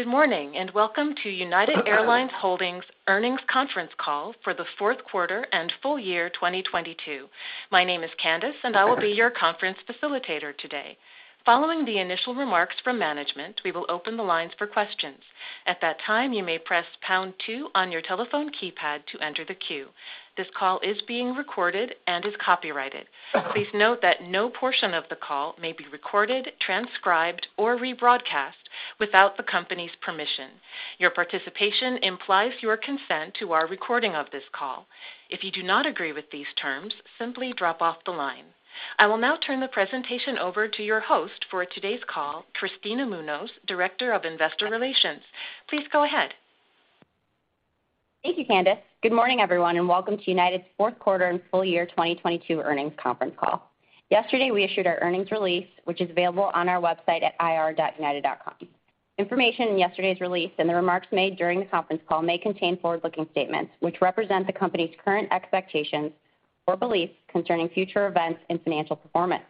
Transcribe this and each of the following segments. Good morning. Welcome to United Airlines Holdings earnings conference call for the fourth quarter and full year 2022. My name is Candice. I will be your conference facilitator today. Following the initial remarks from management, we will open the lines for questions. At that time, you may press pound two on your telephone keypad to enter the queue. This call is being recorded and is copyrighted. Please note that no portion of the call may be recorded, transcribed, or rebroadcast without the company's permission. Your participation implies your consent to our recording of this call. If you do not agree with these terms, simply drop off the line. I will now turn the presentation over to your host for today's call, Kristina Munoz, Director of Investor Relations. Please go ahead. Thank you, Candice. Good morning, everyone, and welcome to United's fourth quarter and full year 2022 earnings conference call. Yesterday, we issued our earnings release, which is available on our website at ir.united.com. Information in yesterday's release and the remarks made during the conference call may contain forward-looking statements which represent the company's current expectations or beliefs concerning future events and financial performance.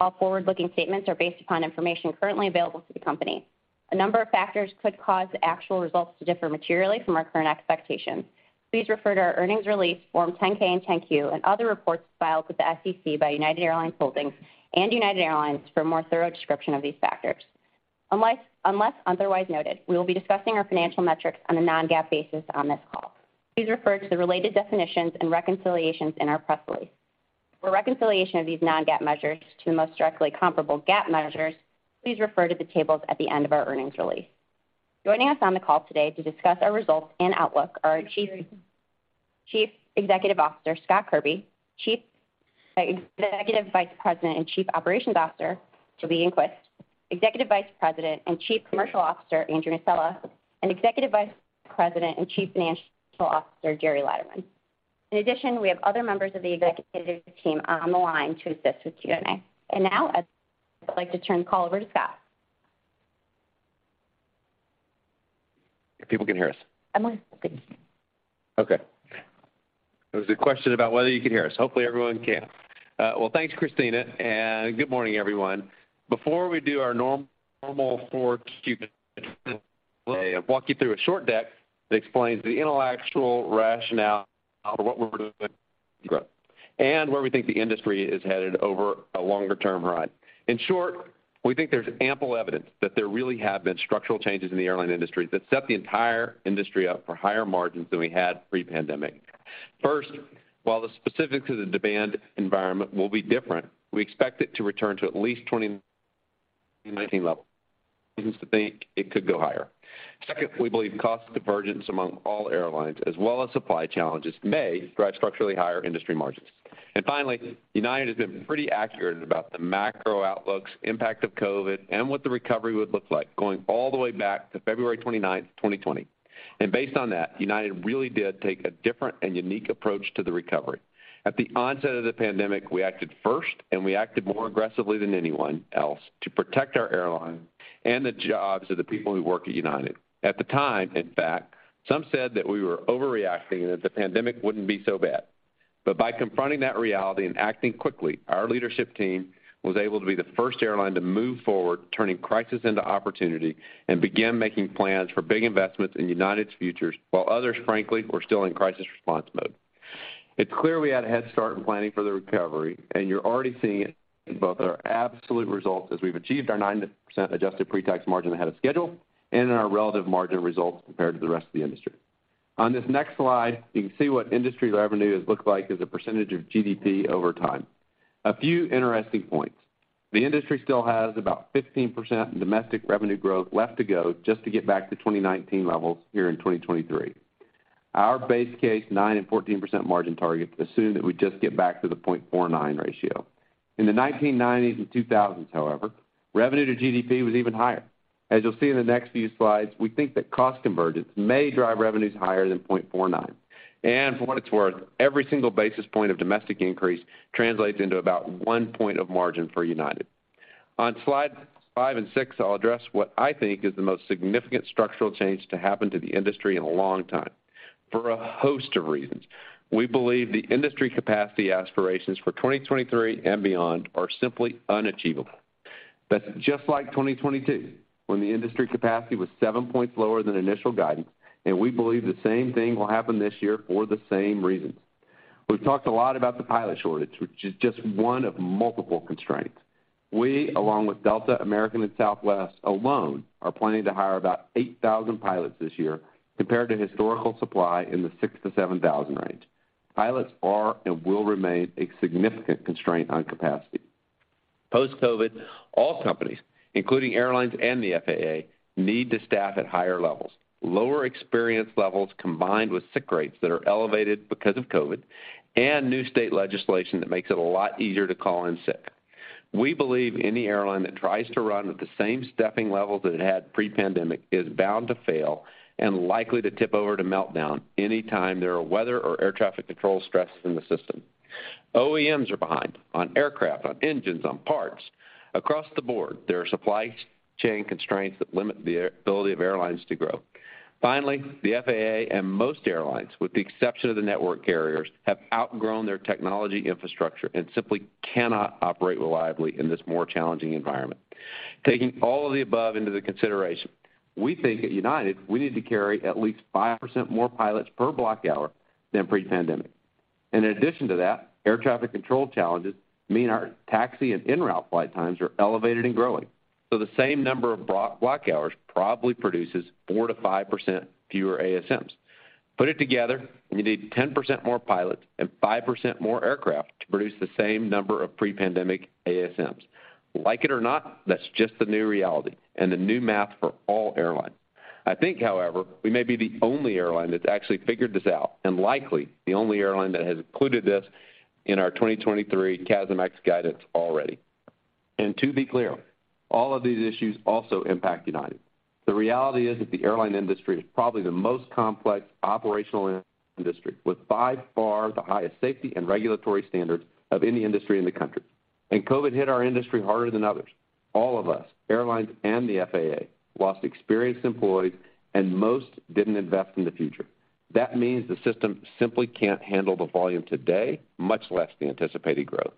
All forward-looking statements are based upon information currently available to the company. A number of factors could cause the actual results to differ materially from our current expectations. Please refer to our earnings release, Form 10-K and 10-Q and other reports filed with the SEC by United Airlines Holdings and United Airlines for a more thorough description of these factors. Unless otherwise noted, we will be discussing our financial metrics on a non-GAAP basis on this call. Please refer to the related definitions and reconciliations in our press release. For reconciliation of these non-GAAP measures to the most directly comparable GAAP measures, please refer to the tables at the end of our earnings release. Joining us on the call today to discuss our results and outlook are our Chief Executive Officer, Scott Kirby, Executive Vice President and Chief Operations Officer, Toby Enqvist, Executive Vice President and Chief Commercial Officer, Andrew Nocella, and Executive Vice President and Chief Financial Officer, Gerry Laderman. In addition, we have other members of the executive team on the line to assist with Q&A. Now I'd like to turn the call over to Scott. If people can hear us. I'm listening. Okay. There was a question about whether you could hear us. Hopefully, everyone can. Well, thanks, Kristina, good morning, everyone. Before we do our normal 4Q presentation, I'll walk you through a short deck that explains the intellectual rationale for what we're doing and where we think the industry is headed over a longer-term run. In short, we think there's ample evidence that there really have been structural changes in the airline industry that set the entire industry up for higher margins than we had pre-pandemic. First, while the specifics of the demand environment will be different, we expect it to return to at least 2019 levels. Seems to think it could go higher. Second, we believe cost divergence among all airlines as well as supply challenges may drive structurally higher industry margins. Finally, United has been pretty accurate about the macro outlook's impact of COVID and what the recovery would look like going all the wayback to February 29, 2020. Based on that, United really did take a different and unique approach to the recovery. At the onset of the pandemic, we acted first, and we acted more aggressively than anyone else to protect our airline and the jobs of the people who work at United. At the time, in fact, some said that we were overreacting and that the pandemic wouldn't be so bad. By confronting that reality and acting quickly, our leadership team was able to be the first airline to move forward, turning crisis into opportunity and begin making plans for big investments in United's futures, while others, frankly, were still in crisis response mode. It's clear we had a head start in planning for the recovery. You're already seeing it in both our absolute results as we've achieved our 9% adjusted pre-tax margin ahead of schedule and in our relative margin results compared to the rest of the industry. On this next slide, you can see what industry revenue has looked like as a percentage of GDP over time. A few interesting points. The industry still has about 15% domestic revenue growth left to go just to get back to 2019 levels here in 2023. Our base case 9% and 14% margin targets assume that we just get back to the 0.49 ratio. In the 1990s and 2000s, however, revenue to GDP was even higher. As you'll see in the next few slides, we think that cost convergence may drive revenues higher than 0.49. For what it's worth, every single basis point of domestic increase translates into about one point of margin for United. On slides five and six, I'll address what I think is the most significant structural change to happen to the industry in a long time. For a host of reasons, we believe the industry capacity aspirations for 2023 and beyond are simply unachievable. That's just like 2022, when the industry capacity was seven points lower than initial guidance, and we believe the same thing will happen this year for the same reasons. We've talked a lot about the pilot shortage, which is just one of multiple constraints. We, along with Delta, American, and Southwest alone, are planning to hire about 8,000 pilots this year compared to historical supply in the 6,000-7,000 range. Pilots are and will remain a significant constraint on capacity. Post-COVID, all companies, including airlines and the FAA, need to staff at higher levels. Lower experience levels combined with sick rates that are elevated because of COVID and new state legislation that makes it a lot easier to call in sick. We believe any airline that tries to run with the same staffing levels that it had pre-pandemic is bound to fail and likely to tip over to meltdown anytime there are weather or air traffic control stress in the system. OEMs are behind on aircraft, on engines, on parts. Across the board, there are supply chain constraints that limit the ability of airlines to grow. Finally, the FAA and most airlines, with the exception of the network carriers, have outgrown their technology infrastructure and simply cannot operate reliably in this more challenging environment. Taking all of the above into consideration, we think at United, we need to carry at least 5% more pilots per block hour than pre-pandemic. In addition to that, air traffic control challenges mean our taxi and en route flight times are elevated and growing. The same number of block hours probably produces 4%-5% fewer ASMs. Put it together, you need 10% more pilots and 5% more aircraft to produce the same number of pre-pandemic ASMs. Like it or not, that's just the new reality and the new math for all airlines. I think, however, we may be the only airline that's actually figured this out, and likely the only airline that has included this in our 2023 CASM-ex guidance already. To be clear, all of these issues also impact United. The reality is that the airline industry is probably the most complex operational industry, with by far the highest safety and regulatory standards of any industry in the country. COVID hit our industry harder than others. All of us, airlines and the FAA, lost experienced employees, and most didn't invest in the future. That means the system simply can't handle the volume today, much less the anticipated growth.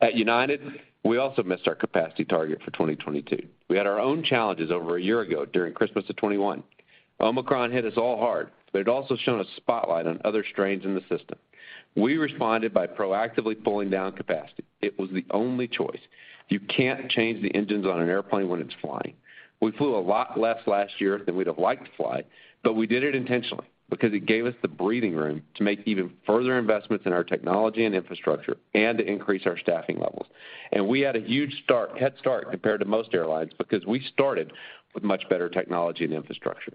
At United, we also missed our capacity target for 2022. We had our own challenges over a year ago during Christmas of 2021. Omicron hit us all hard. It also shone a spotlight on other strains in the system. We responded by proactively pulling down capacity. It was the only choice. You can't change the engines on an airplane when it's flying. We flew a lot less last year than we'd have liked to fly, but we did it intentionally because it gave us the breathing room to make even further investments in our technology and infrastructure and to increase our staffing levels. We had a huge head start compared to most airlines because we started with much better technology and infrastructure.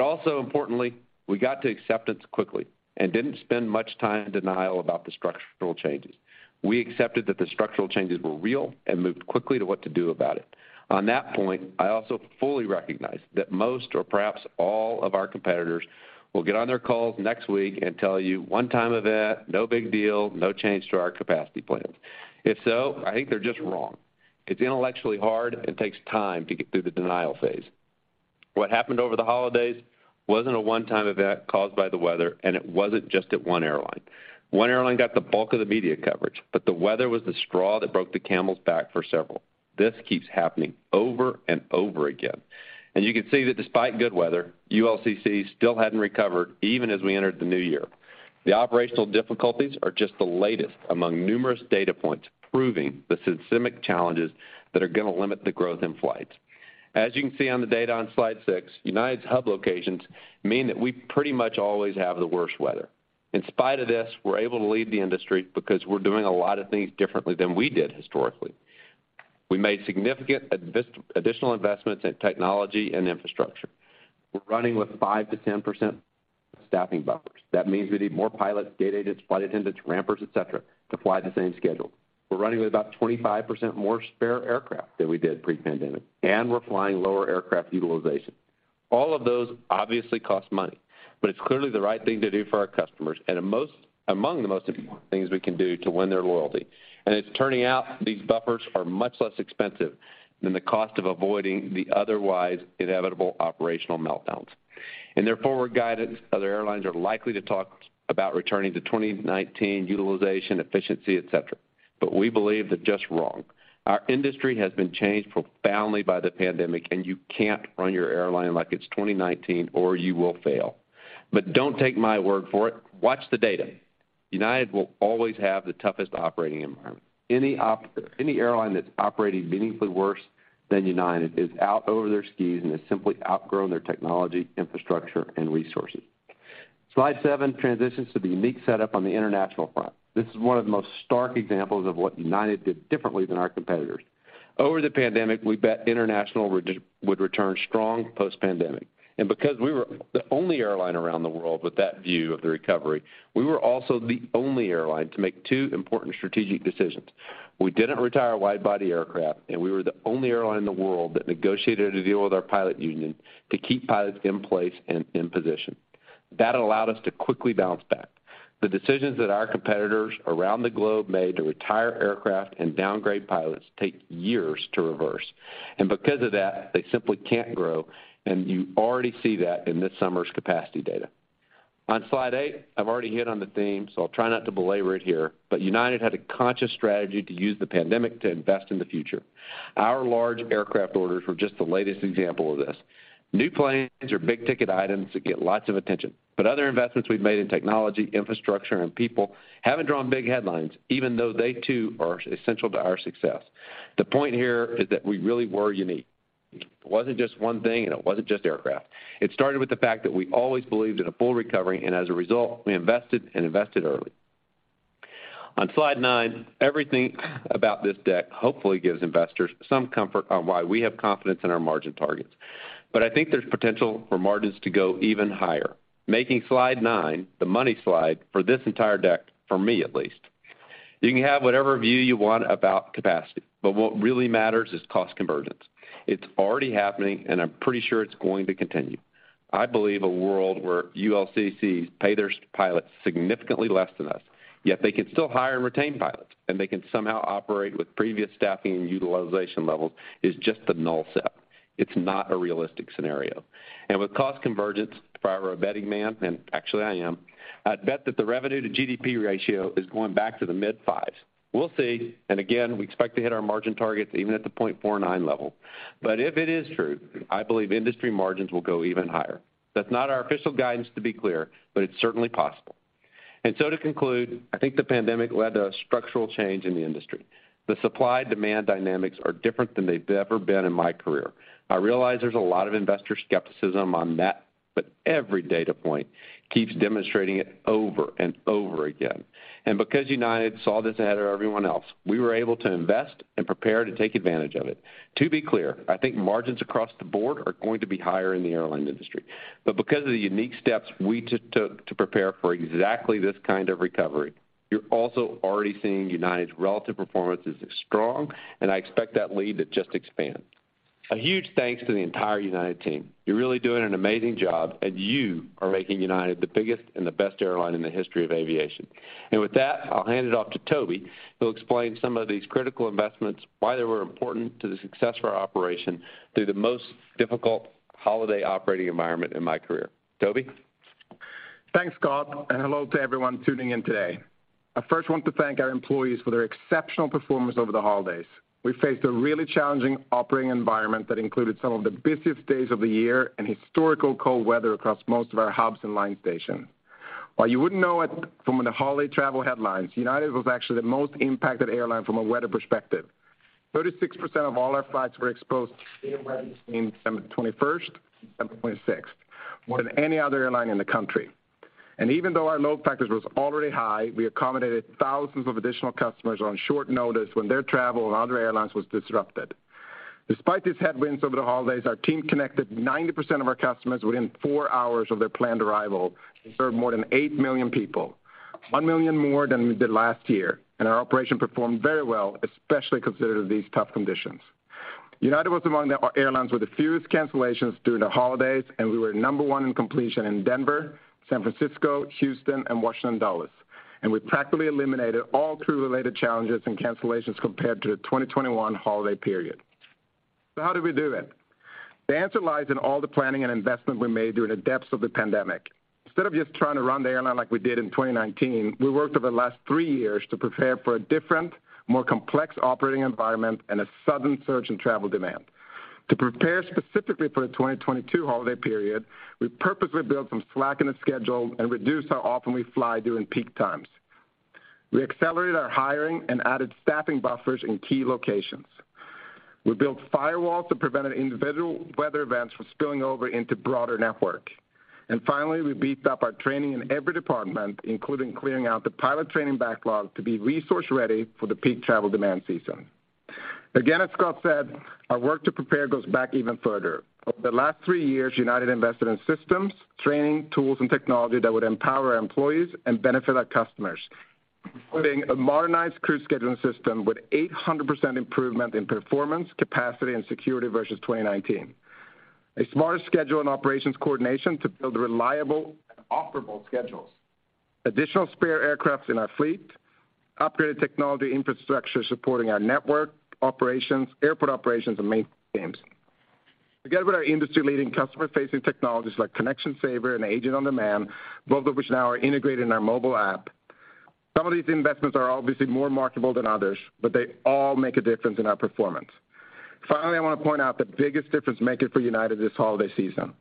Also importantly, we got to acceptance quickly and didn't spend much time in denial about the structural changes. We accepted that the structural changes were real and moved quickly to what to do about it. On that point, I also fully recognize that most or perhaps all of our competitors will get on their calls next week and tell you, "One time event, no big deal, no change to our capacity plans." If so, I think they're just wrong. It's intellectually hard and takes time to get through the denial phase. What happened over the holidays wasn't a one-time event caused by the weather, and it wasn't just at one airline. One airline got the bulk of the media coverage, the weather was the straw that broke the camel's back for several. This keeps happening over and over again. You can see that despite good weather, ULCC still hadn't recovered even as we entered the new year. The operational difficulties are just the latest among numerous data points proving the systemic challenges that are going to limit the growth in flights. As you can see on the data on slide six, United's hub locations mean that we pretty much always have the worst weather. In spite of this, we're able to lead the industry because we're doing a lot of things differently than we did historically. We made significant additional investments in technology and infrastructure. We're running with 5%-10% staffing buffers. That means we need more pilots, gate agents, flight attendants, rampers, et cetera, to fly the same schedule. We're running with about 25% more spare aircraft than we did pre-pandemic, and we're flying lower aircraft utilization. All of those obviously cost money, but it's clearly the right thing to do for our customers and among the most important things we can do to win their loyalty. It's turning out these buffers are much less expensive than the cost of avoiding the otherwise inevitable operational meltdowns. In their forward guidance, other airlines are likely to talk about returning to 2019 utilization, efficiency, et cetera. We believe they're just wrong. Our industry has been changed profoundly by the pandemic. You can't run your airline like it's 2019 or you will fail. Don't take my word for it. Watch the data. United will always have the toughest operating environment. Any airline that's operating meaningfully worse than United is out over their skis and has simply outgrown their technology, infrastructure, and resources. Slide seven transitions to the unique setup on the international front. This is one of the most stark examples of what United did differently than our competitors. Over the pandemic, we bet international would return strong post-pandemic. Because we were the only airline around the world with that view of the recovery, we were also the only airline to make two important strategic decisions. We didn't retire wide-body aircraft, and we were the only airline in the world that negotiated a deal with our pilot union to keep pilots in place and in position. That allowed us to quickly bounce back. The decisions that our competitors around the globe made to retire aircraft and downgrade pilots take years to reverse. Because of that, they simply can't grow, and you already see that in this summer's capacity data. On slide eight, I've already hit on the theme, so I'll try not to belabor it here, but United had a conscious strategy to use the pandemic to invest in the future. Our large aircraft orders were just the latest example of this. New planes are big-ticket items that get lots of attention, but other investments we've made in technology, infrastructure, and people haven't drawn big headlines, even though they too are essential to our success. The point here is that we really were unique. It wasn't just one thing, and it wasn't just aircraft. It started with the fact that we always believed in a full recovery, and as a result, we invested and invested early. On slide nine, everything about this deck hopefully gives investors some comfort on why we have confidence in our margin targets. I think there's potential for margins to go even higher, making slide nine the money slide for this entire deck, for me at least. You can have whatever view you want about capacity, but what really matters is cost convergence. It's already happening, and I'm pretty sure it's going to continue. I believe a world where ULCCs pay their pilots significantly less than us, yet they can still hire and retain pilots, and they can somehow operate with previous staffing and utilization levels, is just the null set. It's not a realistic scenario. With cost convergence, if I were a betting man, and actually I am, I'd bet that the revenue to GDP ratio is going back to the mid fives. We'll see, again, we expect to hit our margin targets even at the 0.49 level. If it is true, I believe industry margins will go even higher. That's not our official guidance to be clear, but it's certainly possible. To conclude, I think the pandemic led to a structural change in the industry. The supply-demand dynamics are different than they've ever been in my career. I realize there's a lot of investor skepticism on that. Every data point keeps demonstrating it over and over again. Because United saw this ahead of everyone else, we were able to invest and prepare to take advantage of it. To be clear, I think margins across the board are going to be higher in the airline industry. Because of the unique steps we took to prepare for exactly this kind of recovery, you're also already seeing United's relative performance is strong, and I expect that lead to just expand. A huge thanks to the entire United team. You're really doing an amazing job, and you are making United the biggest and the best airline in the history of aviation. With that, I'll hand it off to Toby, who'll explain some of these critical investments, why they were important to the success of our operation through the most difficult holiday operating environment in my career. Toby? Thanks, Scott. Hello to everyone tuning in today. I first want to thank our employees for their exceptional performance over the holidays. We faced a really challenging operating environment that included some of the busiest days of the year and historical cold weather across most of our hubs and line stations. While you wouldn't know it from the holiday travel headlines, United was actually the most impacted airline from a weather perspective. 36% of all our flights were exposed to severe weather between December 21st and December 26th, more than any other airline in the country. Even though our load factors was already high, we accommodated thousands of additional customers on short notice when their travel on other airlines was disrupted. Despite these headwinds over the holidays, our team connected 90% of our customers within 4 hours of their planned arrival and served more than 8 million people, 1 million more than we did last year. Our operation performed very well, especially considering these tough conditions. United was among the airlines with the fewest cancellations during the holidays, and we were number one in completion in Denver, San Francisco, Houston, and Washington Dulles. We practically eliminated all crew-related challenges and cancellations compared to the 2021 holiday period. How did we do it? The answer lies in all the planning and investment we made during the depths of the pandemic. Instead of just trying to run the airline like we did in 2019, we worked over the last three years to prepare for a different, more complex operating environment and a sudden surge in travel demand. To prepare specifically for the 2022 holiday period, we purposely built some slack in the schedule and reduced how often we fly during peak times. We accelerated our hiring and added staffing buffers in key locations. We built firewalls that prevented individual weather events from spilling over into broader network. Finally, we beefed up our training in every department, including clearing out the pilot training backlog to be resource ready for the peak travel demand season. Again, as Scott said, our work to prepare goes back even further. Over the last three years, United invested in systems, training, tools, and technology that would empower our employees and benefit our customers, including a modernized crew scheduling system with 800% improvement in performance, capacity, and security versus 2019. A smarter schedule and operations coordination to build reliable and offerable schedules. Additional spare aircrafts in our fleet, upgraded technology infrastructure supporting our network operations, airport operations, and maintenance teams. Together with our industry-leading customer-facing technologies like ConnectionSaver and Agent on Demand, both of which now are integrated in our mobile app. Some of these investments are obviously more marketable than others. They all make a difference in our performance. Finally, I wanna point out the biggest difference maker for United this holiday season,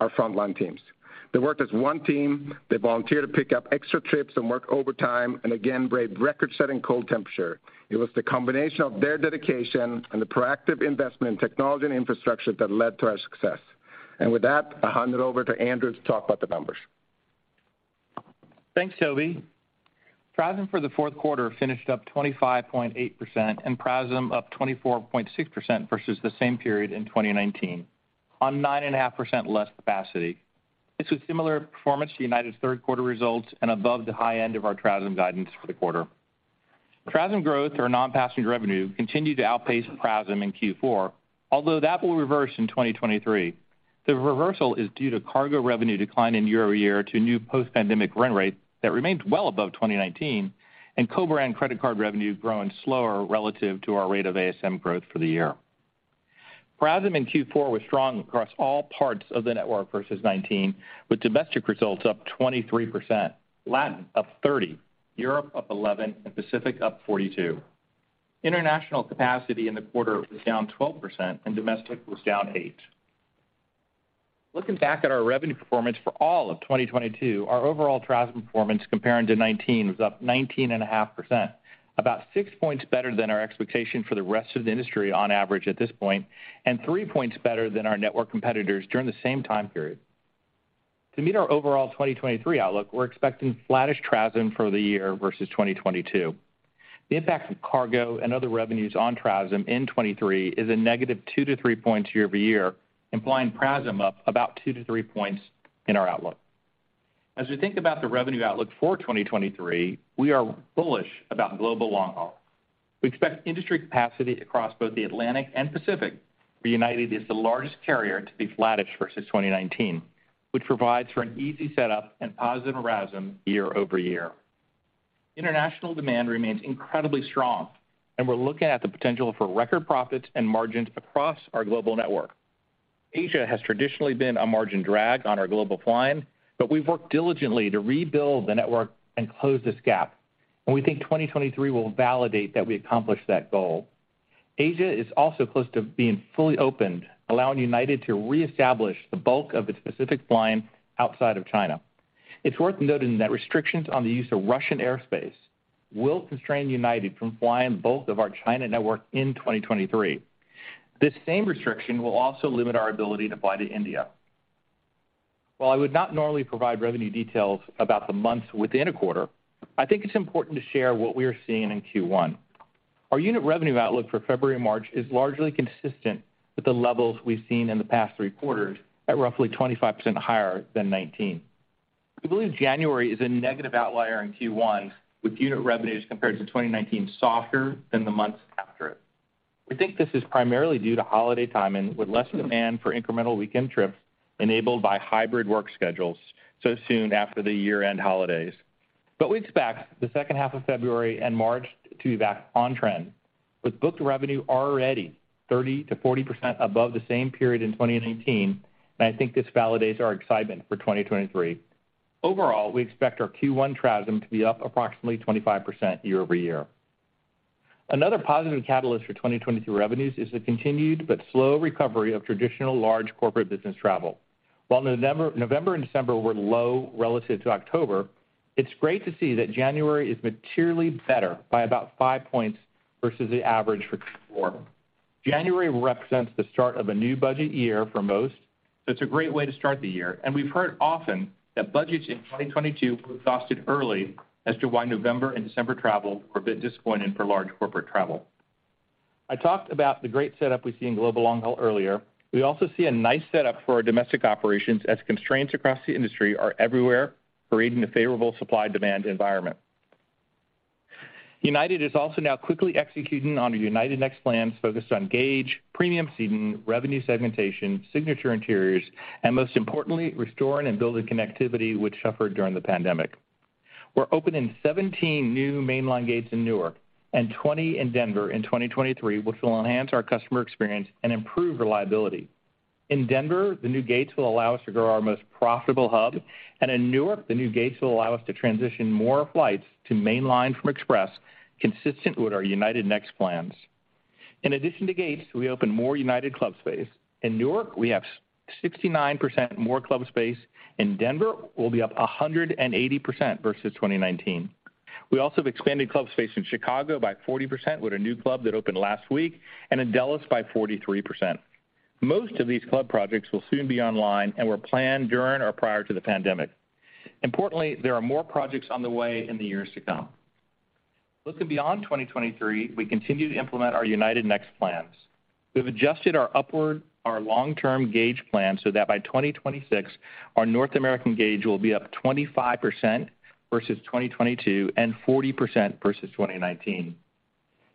our frontline teams. They worked as one team. They volunteered to pick up extra trips and work overtime, and again, braved record-setting cold temperature. It was the combination of their dedication and the proactive investment in technology and infrastructure that led to our success. With that, I'll hand it over to Andrew to talk about the numbers. Thanks, Toby. PRASM for the fourth quarter finished up 25.8% and PRASM up 24.6% versus the same period in 2019 on 9.5% less capacity. This was similar performance to United's third quarter results and above the high end of our TRASM guidance for the quarter. TRASM growth or non-passenger revenue continued to outpace PRASM in Q4, although that will reverse in 2023. The reversal is due to cargo revenue decline in year-over-year to new post-pandemic run rates that remained well above 2019 and co-brand credit card revenue growing slower relative to our rate of ASM growth for the year. PRASM in Q4 was strong across all parts of the network versus 2019, with domestic results up 23%, Latin up 30, Europe up 11, and Pacific up 42. International capacity in the quarter was down 12%, and domestic was down 8%. Looking back at our revenue performance for all of 2022, our overall TRASM performance comparing to 2019 was up 19.5%, about 6 points better than our expectation for the rest of the industry on average at this point, and three points better than our network competitors during the same time period. To meet our overall 2023 outlook, we're expecting flattish TRASM for the year versus 2022. The impact of cargo and other revenues on TRASM in 2023 is a negative 2-3 points year-over-year, implying PRASM up about 2-3 points in our outlook. As we think about the revenue outlook for 2023, we are bullish about global long haul. We expect industry capacity across both the Atlantic and Pacific, where United is the largest carrier to be flattish versus 2019, which provides for an easy setup and positive PRASM year-over-year. International demand remains incredibly strong. We're looking at the potential for record profits and margins across our global network. Asia has traditionally been a margin drag on our global flying. We've worked diligently to rebuild the network and close this gap. We think 2023 will validate that we accomplished that goal. Asia is also close to being fully opened, allowing United to reestablish the bulk of its Pacific flying outside of China. It's worth noting that restrictions on the use of Russian airspace will constrain United from flying both of our China network in 2023. This same restriction will also limit our ability to fly to India. While I would not normally provide revenue details about the months within a quarter, I think it's important to share what we are seeing in Q1. Our unit revenue outlook for February and March is largely consistent with the levels we've seen in the past three quarters at roughly 25% higher than 2019. We believe January is a negative outlier in Q1 with unit revenues compared to 2019 softer than the months after it. We think this is primarily due to holiday timing with less demand for incremental weekend trips enabled by hybrid work schedules so soon after the year-end holidays. We expect the second half of February and March to be back on trend with booked revenue already 30%-40% above the same period in 2019. I think this validates our excitement for 2023. Overall, we expect our Q1 TRASM to be up approximately 25% year-over-year. Another positive catalyst for 2022 revenues is the continued but slow recovery of traditional large corporate business travel. While November and December were low relative to October, it's great to see that January is materially better by about 5 points versus the average for Q4. January represents the start of a new budget year for most, it's a great way to start the year. We've heard often that budgets in 2022 were exhausted early as to why November and December travel were a bit disappointing for large corporate travel. I talked about the great setup we see in global long-haul earlier. We also see a nice setup for our domestic operations as constraints across the industry are everywhere, creating a favorable supply-demand environment. United is also now quickly executing on the United Next plans focused on gauge, premium seating, revenue segmentation, signature interiors, and most importantly, restoring and building connectivity which suffered during the pandemic. We're opening 17 new mainline gates in Newark and 20 in Denver in 2023, which will enhance our customer experience and improve reliability. In Denver, the new gates will allow us to grow our most profitable hub. In Newark, the new gates will allow us to transition more flights to mainline from Express consistent with our United Next plans. In addition to gates, we open more United Club space. In Newark, we have 69% more club space. In Denver, we'll be up 180% versus 2019. We also have expanded club space in Chicago by 40% with a new club that opened last week and in Dallas by 43%. Most of these United Club projects will soon be online and were planned during or prior to the pandemic. There are more projects on the way in the years to come. Looking beyond 2023, we continue to implement our United Next plans. We've adjusted our long-term gauge plan so that by 2026 our North American gauge will be up 25% versus 2022 and 40% versus 2019.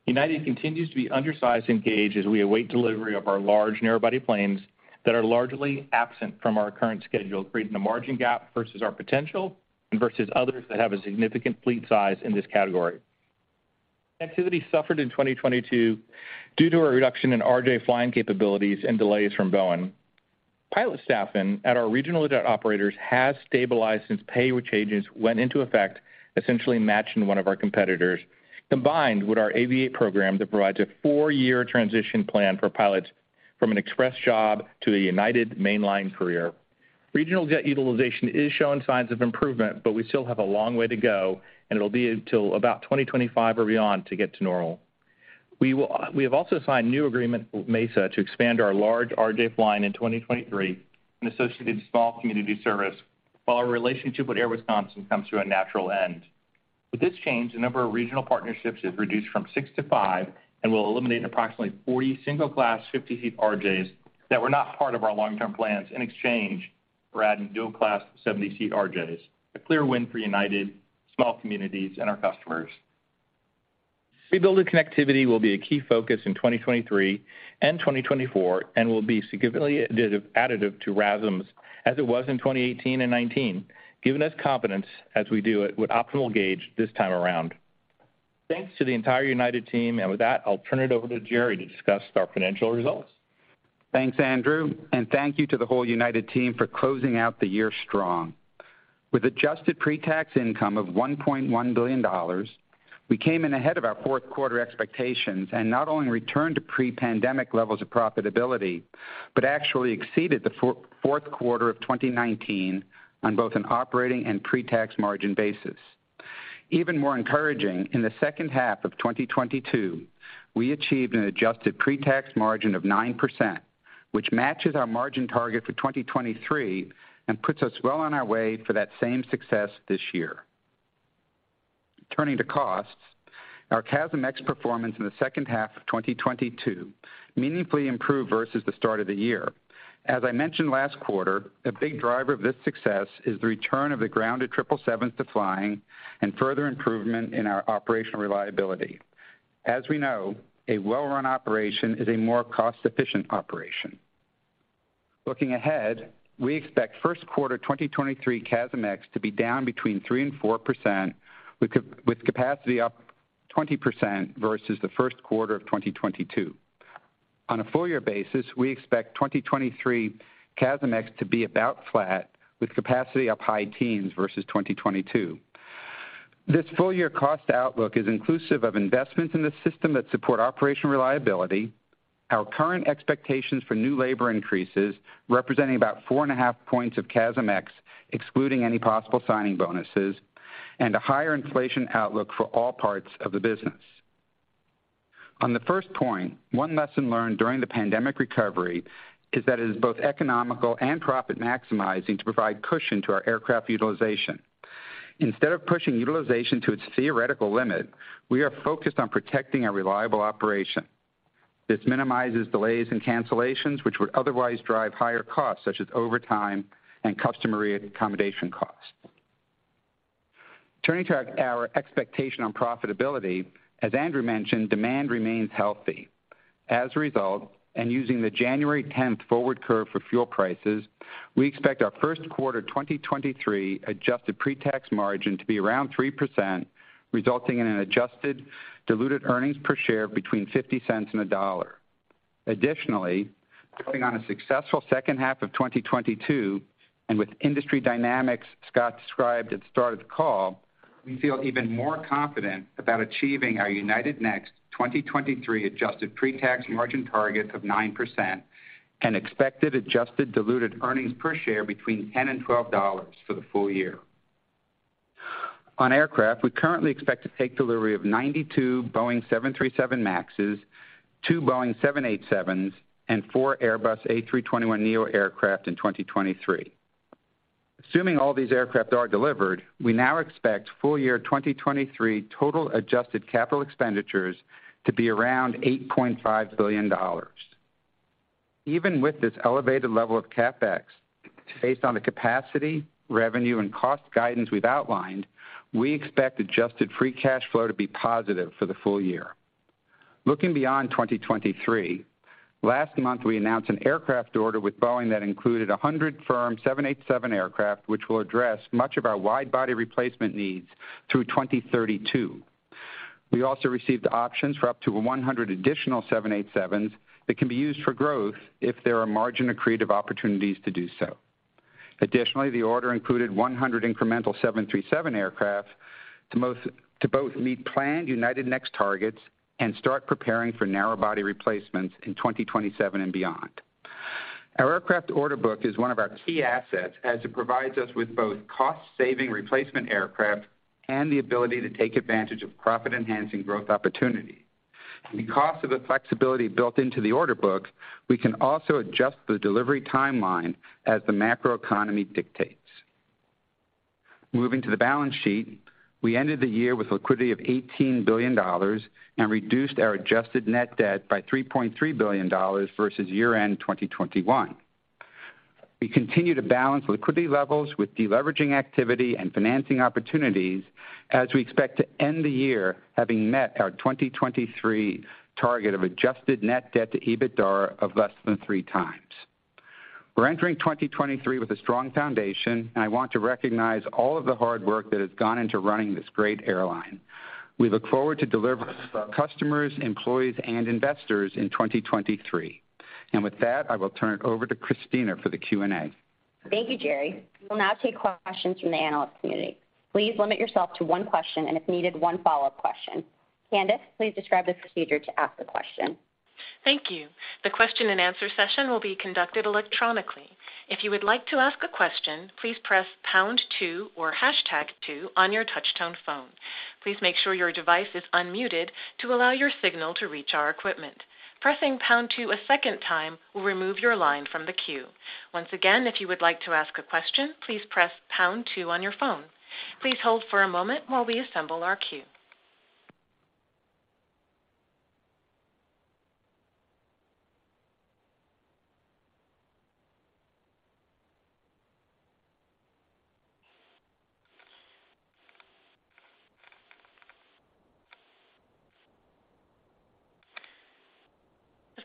United continues to be undersized in gauge as we await delivery of our large narrow-body planes that are largely absent from our current schedule, creating a margin gap versus our potential and versus others that have a significant fleet size in this category. Activity suffered in 2022 due to a reduction in RJ flying capabilities and delays from Boeing. Pilot staffing at our regional jet operators has stabilized since pay changes went into effect, essentially matching one of our competitors, combined with our Aviate program that provides a four-year transition plan for pilots from an Express job to a United mainline career. Regional jet utilization is showing signs of improvement, but we still have a long way to go, and it'll be until about 2025 or beyond to get to normal. We have also signed a new agreement with Mesa to expand our large RJ flying in 2023 and associated small community service while our relationship with Air Wisconsin comes to a natural end. With this change, the number of regional partnerships is reduced from six to five and will eliminate approximately 40 single-class 50-seat RJs that were not part of our long-term plans in exchange for adding dual-class 70-seat RJs, a clear win for United, small communities, and our customers. Rebuilding connectivity will be a key focus in 2023 and 2024 and will be significantly additive to RASMs as it was in 2018 and 2019, giving us confidence as we do it with optimal gauge this time around. Thanks to the entire United team. With that, I'll turn it over to Gerry to discuss our financial results. Thanks, Andrew. Thank you to the whole United team for closing out the year strong. With adjusted pre-tax income of $1.1 billion, we came in ahead of our fourth quarter expectations and not only returned to pre-pandemic levels of profitability, but actually exceeded the fourth quarter of 2019 on both an operating and pre-tax margin basis. More encouraging, in the second half of 2022, we achieved an adjusted pre-tax margin of 9%, which matches our margin target for 2023 and puts us well on our way for that same success this year. Turning to costs, our CASM-ex performance in the second half of 2022 meaningfully improved versus the start of the year. As I mentioned last quarter, a big driver of this success is the return of the grounded triple sevens to flying and further improvement in our operational reliability. As we know, a well-run operation is a more cost-efficient operation. Looking ahead, we expect first quarter 2023 CASM-ex to be down between 3% and 4% with capacity up 20% versus the first quarter of 2022. On a full year basis, we expect 2023 CASM-ex to be about flat with capacity up high teens versus 2022. This full year cost outlook is inclusive of investments in the system that support operation reliability. Our current expectations for new labor increases representing about 4.5 points of CASM-ex, excluding any possible signing bonuses, and a higher inflation outlook for all parts of the business. On the first point, one lesson learned during the pandemic recovery is that it is both economical and profit maximizing to provide cushion to our aircraft utilization. Instead of pushing utilization to its theoretical limit, we are focused on protecting our reliable operation. This minimizes delays and cancellations, which would otherwise drive higher costs such as overtime and customer re-accommodation costs. Turning to our expectation on profitability, as Andrew mentioned, demand remains healthy. As a result, and using the January 10th forward curve for fuel prices, we expect our first quarter 2023 adjusted pre-tax margin to be around 3%, resulting in an adjusted diluted earnings per share between $0.50 and $1.00. Additionally, building on a successful second half of 2022 and with industry dynamics Scott described at start of the call, we feel even more confident about achieving our United Next 2023 adjusted pre-tax margin targets of 9% and expected adjusted diluted earnings per share between $10 and $12 for the full year. On aircraft, we currently expect to take delivery of 92 Boeing 737 MAXs, 2 Boeing 787s, and 4 Airbus A321neo aircraft in 2023. Assuming all these aircraft are delivered, we now expect full year 2023 total adjusted capital expenditures to be around $8.5 billion. Even with this elevated level of CapEx, based on the capacity, revenue, and cost guidance we've outlined, we expect adjusted free cash flow to be positive for the full year. Looking beyond 2023, last month, we announced an aircraft order with Boeing that included 100 firm 787 aircraft, which will address much of our wide body replacement needs through 2032. We also received options for up to 100 additional 787s that can be used for growth if there are margin-accretive opportunities to do so. Additionally, the order included 100 incremental 737 aircraft to both meet planned United Next targets and start preparing for narrow body replacements in 2027 and beyond. Our aircraft order book is one of our key assets as it provides us with both cost-saving replacement aircraft and the ability to take advantage of profit-enhancing growth opportunities. Because of the flexibility built into the order book, we can also adjust the delivery timeline as the macro economy dictates. Moving to the balance sheet, we ended the year with liquidity of $18 billion and reduced our adjusted net debt by $3.3 billion versus year-end 2021. We continue to balance liquidity levels with deleveraging activity and financing opportunities as we expect to end the year having met our 2023 target of adjusted net debt to EBITDA of less than three times. We're entering 2023 with a strong foundation, and I want to recognize all of the hard work that has gone into running this great airline. We look forward to delivering for our customers, employees, and investors in 2023. With that, I will turn it over to Kristina for the Q&A. Thank you, Gerry. We'll now take questions from the analyst community. Please limit yourself to one question and, if needed, one follow-up question. Candice, please describe the procedure to ask a question. Thank you. The question and answer session will be conducted electronically. If you would like to ask a question, please press pound two or hashtag two on your touch-tone phone. Please make sure your device is unmuted to allow your signal to reach our equipment. Pressing pound two a second time will remove your line from the queue. Once again, if you would like to ask a question, please press pound two on your phone. Please hold for a moment while we assemble our queue.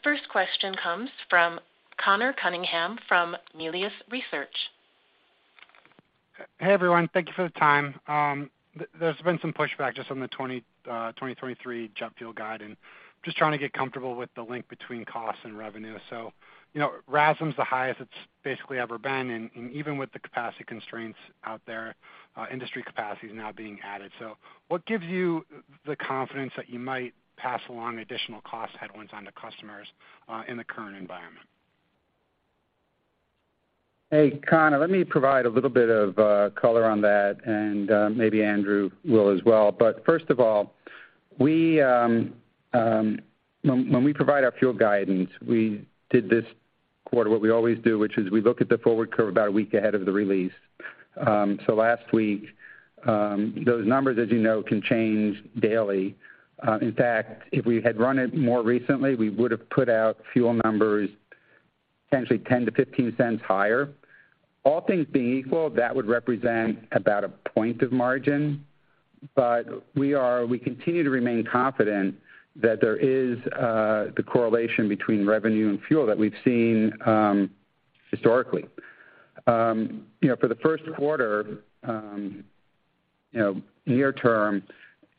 The first question comes from Conor Cunningham from Melius Research. Hey, everyone. Thank you for the time. There's been some pushback just on the 2023 jet fuel guide, and just trying to get comfortable with the link between cost and revenue. You know, RASM is the highest it's basically ever been, and even with the capacity constraints out there, industry capacity is now being added. What gives you the confidence that you might pass along additional cost headwinds onto customers, in the current environment? Hey, Conor, let me provide a little bit of color on that, and maybe Andrew will as well. First of all, when we provide our fuel guidance, we did this quarter what we always do, which is we look at the forward curve about a week ahead of the release. Last week, those numbers, as you know, can change daily. In fact, if we had run it more recently, we would have put out fuel numbers potentially $0.10-$0.15 higher. All things being equal, that would represent about a point of margin. We continue to remain confident that there is the correlation between revenue and fuel that we've seen historically. You know, for the first quarter, you know, near term,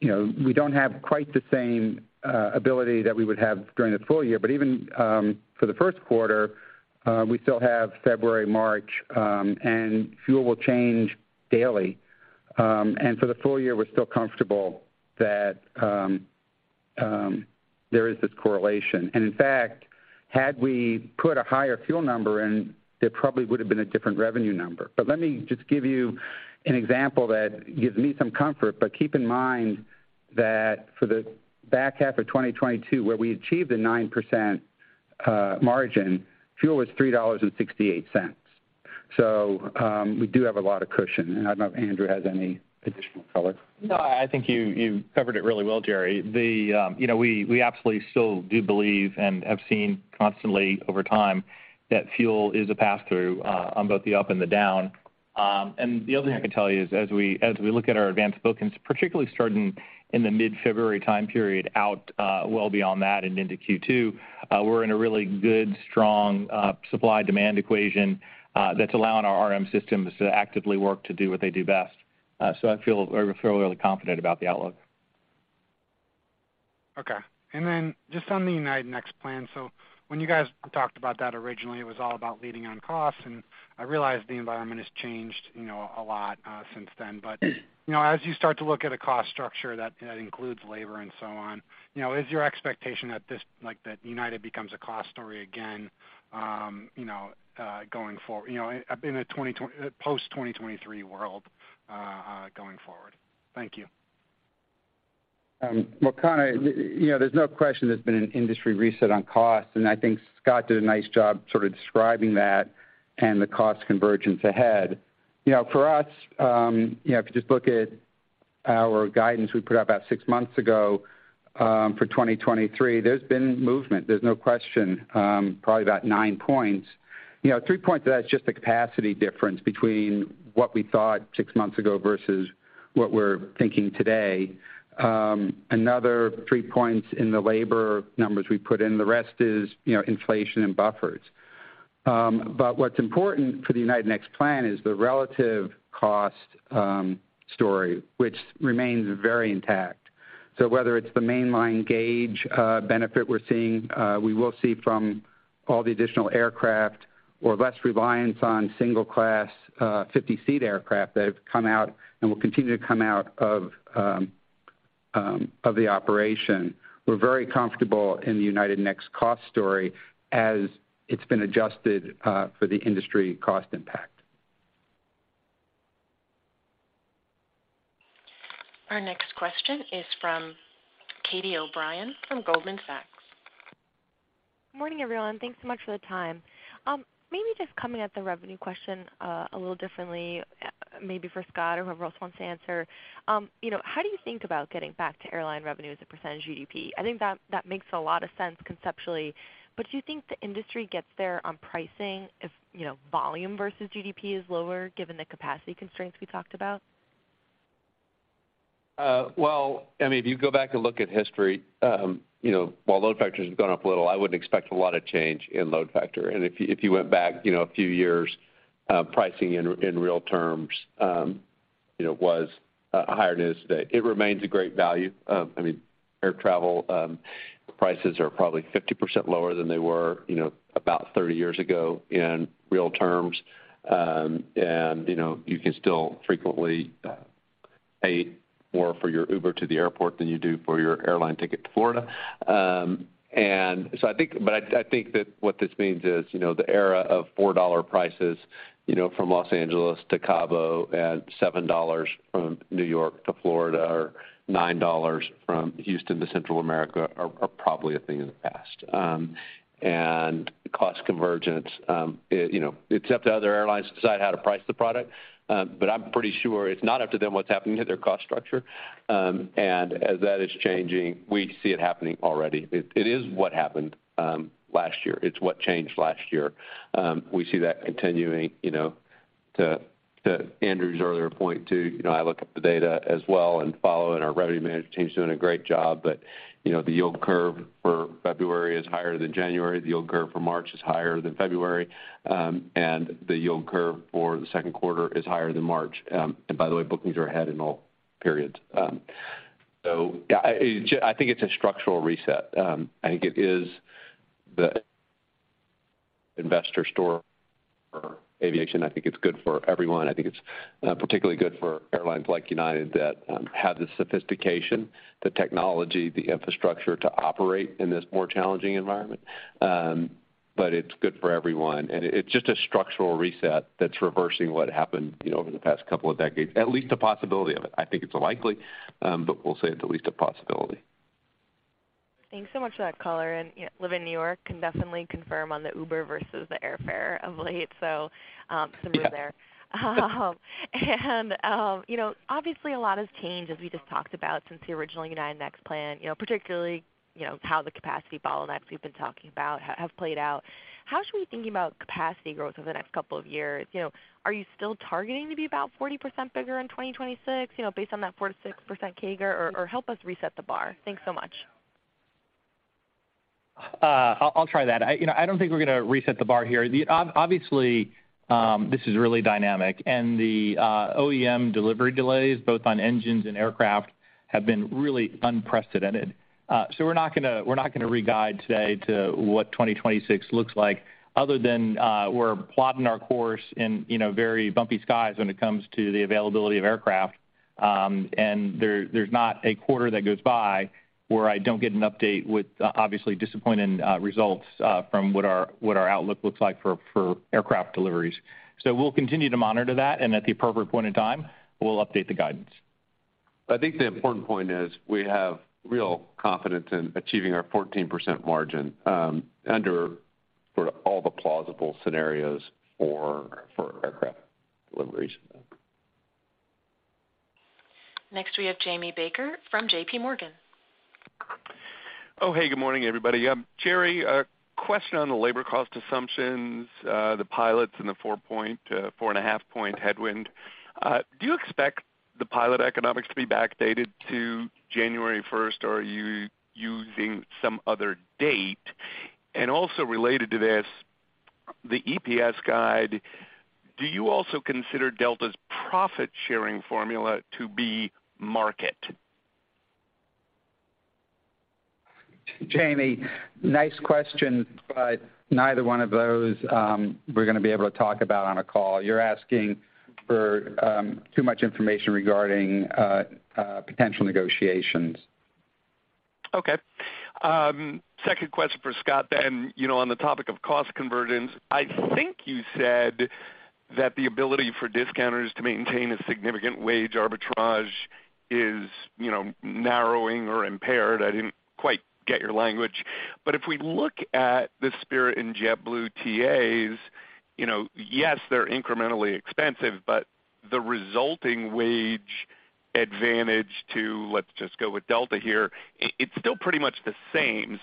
you know, we don't have quite the same ability that we would have during the full year. Even for the first quarter, we still have February, March, and fuel will change daily. For the full year, we're still comfortable that there is this correlation. And in fact, had we put a higher fuel number in, it probably would have been a different revenue number. Let me just give you an example that gives me some comfort, but keep in mind that for the back half of 2022, where we achieved a 9% margin, fuel was $3.68. We do have a lot of cushion, and I don't know if Andrew has any additional color. No, I think you covered it really well, Gerry. The, you know, we absolutely still do believe and have seen constantly over time that fuel is a pass through on both the up and the down. The other thing I can tell you is as we look at our advanced bookings, particularly starting in the mid-February time period out, well beyond that and into Q2, we're in a really good, strong, supply-demand equation, that's allowing our RM systems to actively work to do what they do best. We feel really confident about the outlook. Just on the United Next plan. When you guys talked about that originally, it was all about leading on costs, and I realize the environment has changed, you know, a lot since then. You know, as you start to look at a cost structure that includes labor and so on, you know, is your expectation that like that United becomes a cost story again, you know, in a post-2023 world going forward? Thank you. Well, Conor, you know, there's no question there's been an industry reset on cost, and I think Scott did a nice job sort of describing that and the cost convergence ahead. You know, for us, you know, if you just look at our guidance we put out about six months ago, for 2023, there's been movement, there's no question, probably about nine points. You know, three points of that is just the capacity difference between what we thought six months ago versus what we're thinking today. Another three points in the labor numbers we put in. The rest is, you know, inflation and buffers. What's important for the United Next plan is the relative cost, story, which remains very intact. Whether it's the mainline gauge benefit we're seeing, we will see from all the additional aircraft or less reliance on single class 50-seat aircraft that have come out and will continue to come out of the operation. We're very comfortable in the United Next cost story as it's been adjusted for the industry cost impact. Our next question is from Catie O'Brien from Goldman Sachs. Good morning, everyone. Thanks so much for the time. Maybe just coming at the revenue question, a little differently, maybe for Scott or whoever else wants to answer. You know, how do you think about getting back to airline revenue as a percentage of GDP? I think that makes a lot of sense conceptually, but do you think the industry gets there on pricing if, you know, volume versus GDP is lower given the capacity constraints we talked about? Well, I mean, if you go back and look at history, you know, while load factors have gone up a little, I wouldn't expect a lot of change in load factor. If you went back, you know, a few years, pricing in real terms, you know, was higher than it is today. It remains a great value. I mean, air travel prices are probably 50% lower than they were, you know, about 30 years ago in real terms. You know, you can still frequently pay more for your Uber to the airport than you do for your airline ticket to Florida. I think that what this means is, you know, the era of $4 prices, you know, from Los Angeles to Cabo and $7 from New York to Florida or $9 from Houston to Central America are probably a thing of the past. Cost convergence, you know, it's up to other airlines to decide how to price the product, but I'm pretty sure it's not up to them what's happening to their cost structure. As that is changing, we see it happening already. It is what happened last year. It's what changed last year. We see that continuing, you know. To Andrew's earlier point too, you know, I look at the data as well and follow, and our revenue management team is doing a great job. You know, the yield curve for February is higher than January. The yield curve for March is higher than February. The yield curve for the second quarter is higher than March. By the way, bookings are ahead in all periods. Yeah, I think it's a structural reset. I think it is the investor store for aviation. I think it's good for everyone. I think it's particularly good for airlines like United that have the sophistication, the technology, the infrastructure to operate in this more challenging environment. It's good for everyone. It, it's just a structural reset that's reversing what happened, you know, over the past couple of decades, at least the possibility of it. I think it's likely, we'll say it's at least a possibility. Thanks so much for that color. You know, live in New York can definitely confirm on the Uber versus the airfare of late, so, similar there. You know, obviously a lot has changed, as we just talked about since the original United Next plan, you know, particularly, you know, how the capacity bottlenecks we've been talking about have played out. How should we be thinking about capacity growth over the next couple of years? You know, are you still targeting to be about 40% bigger in 2026, you know, based on that 4%-6% CAGR or help us reset the bar? Thanks so much. I'll try that. I, you know, I don't think we're gonna reset the bar here. Obviously, this is really dynamic, and the OEM delivery delays, both on engines and aircraft, have been really unprecedented. We're not gonna re-guide today to what 2026 looks like other than we're plotting our course in, you know, very bumpy skies when it comes to the availability of aircraft. There's not a quarter that goes by where I don't get an update with obviously disappointing results from what our outlook looks like for aircraft deliveries. We'll continue to monitor that, and at the appropriate point in time, we'll update the guidance. I think the important point is we have real confidence in achieving our 14% margin, under sort of all the plausible scenarios for aircraft deliveries. Next, we have Jamie Baker from JPMorgan. Hey, good morning, everybody. Gerry, a question on the labor cost assumptions, the pilots and the 4.5 point headwind. Do you expect the pilot economics to be backdated to January 1st, or are you using some other date? Also related to this, the EPS guide, do you also consider Delta's profit-sharing formula to be market? Jamie, nice question, neither one of those, we're going to be able to talk about on a call. You're asking for too much information regarding potential negotiations. Okay. Second question for Scott then. You know, on the topic of cost convergence, I think you said that the ability for discounters to maintain a significant wage arbitrage is, you know, narrowing or impaired. I didn't quite get your language. If we look at the Spirit and JetBlue TAs, you know, yes, they're incrementally expensive, but the resulting wage advantage to, let's just go with Delta here, it's still pretty much the same.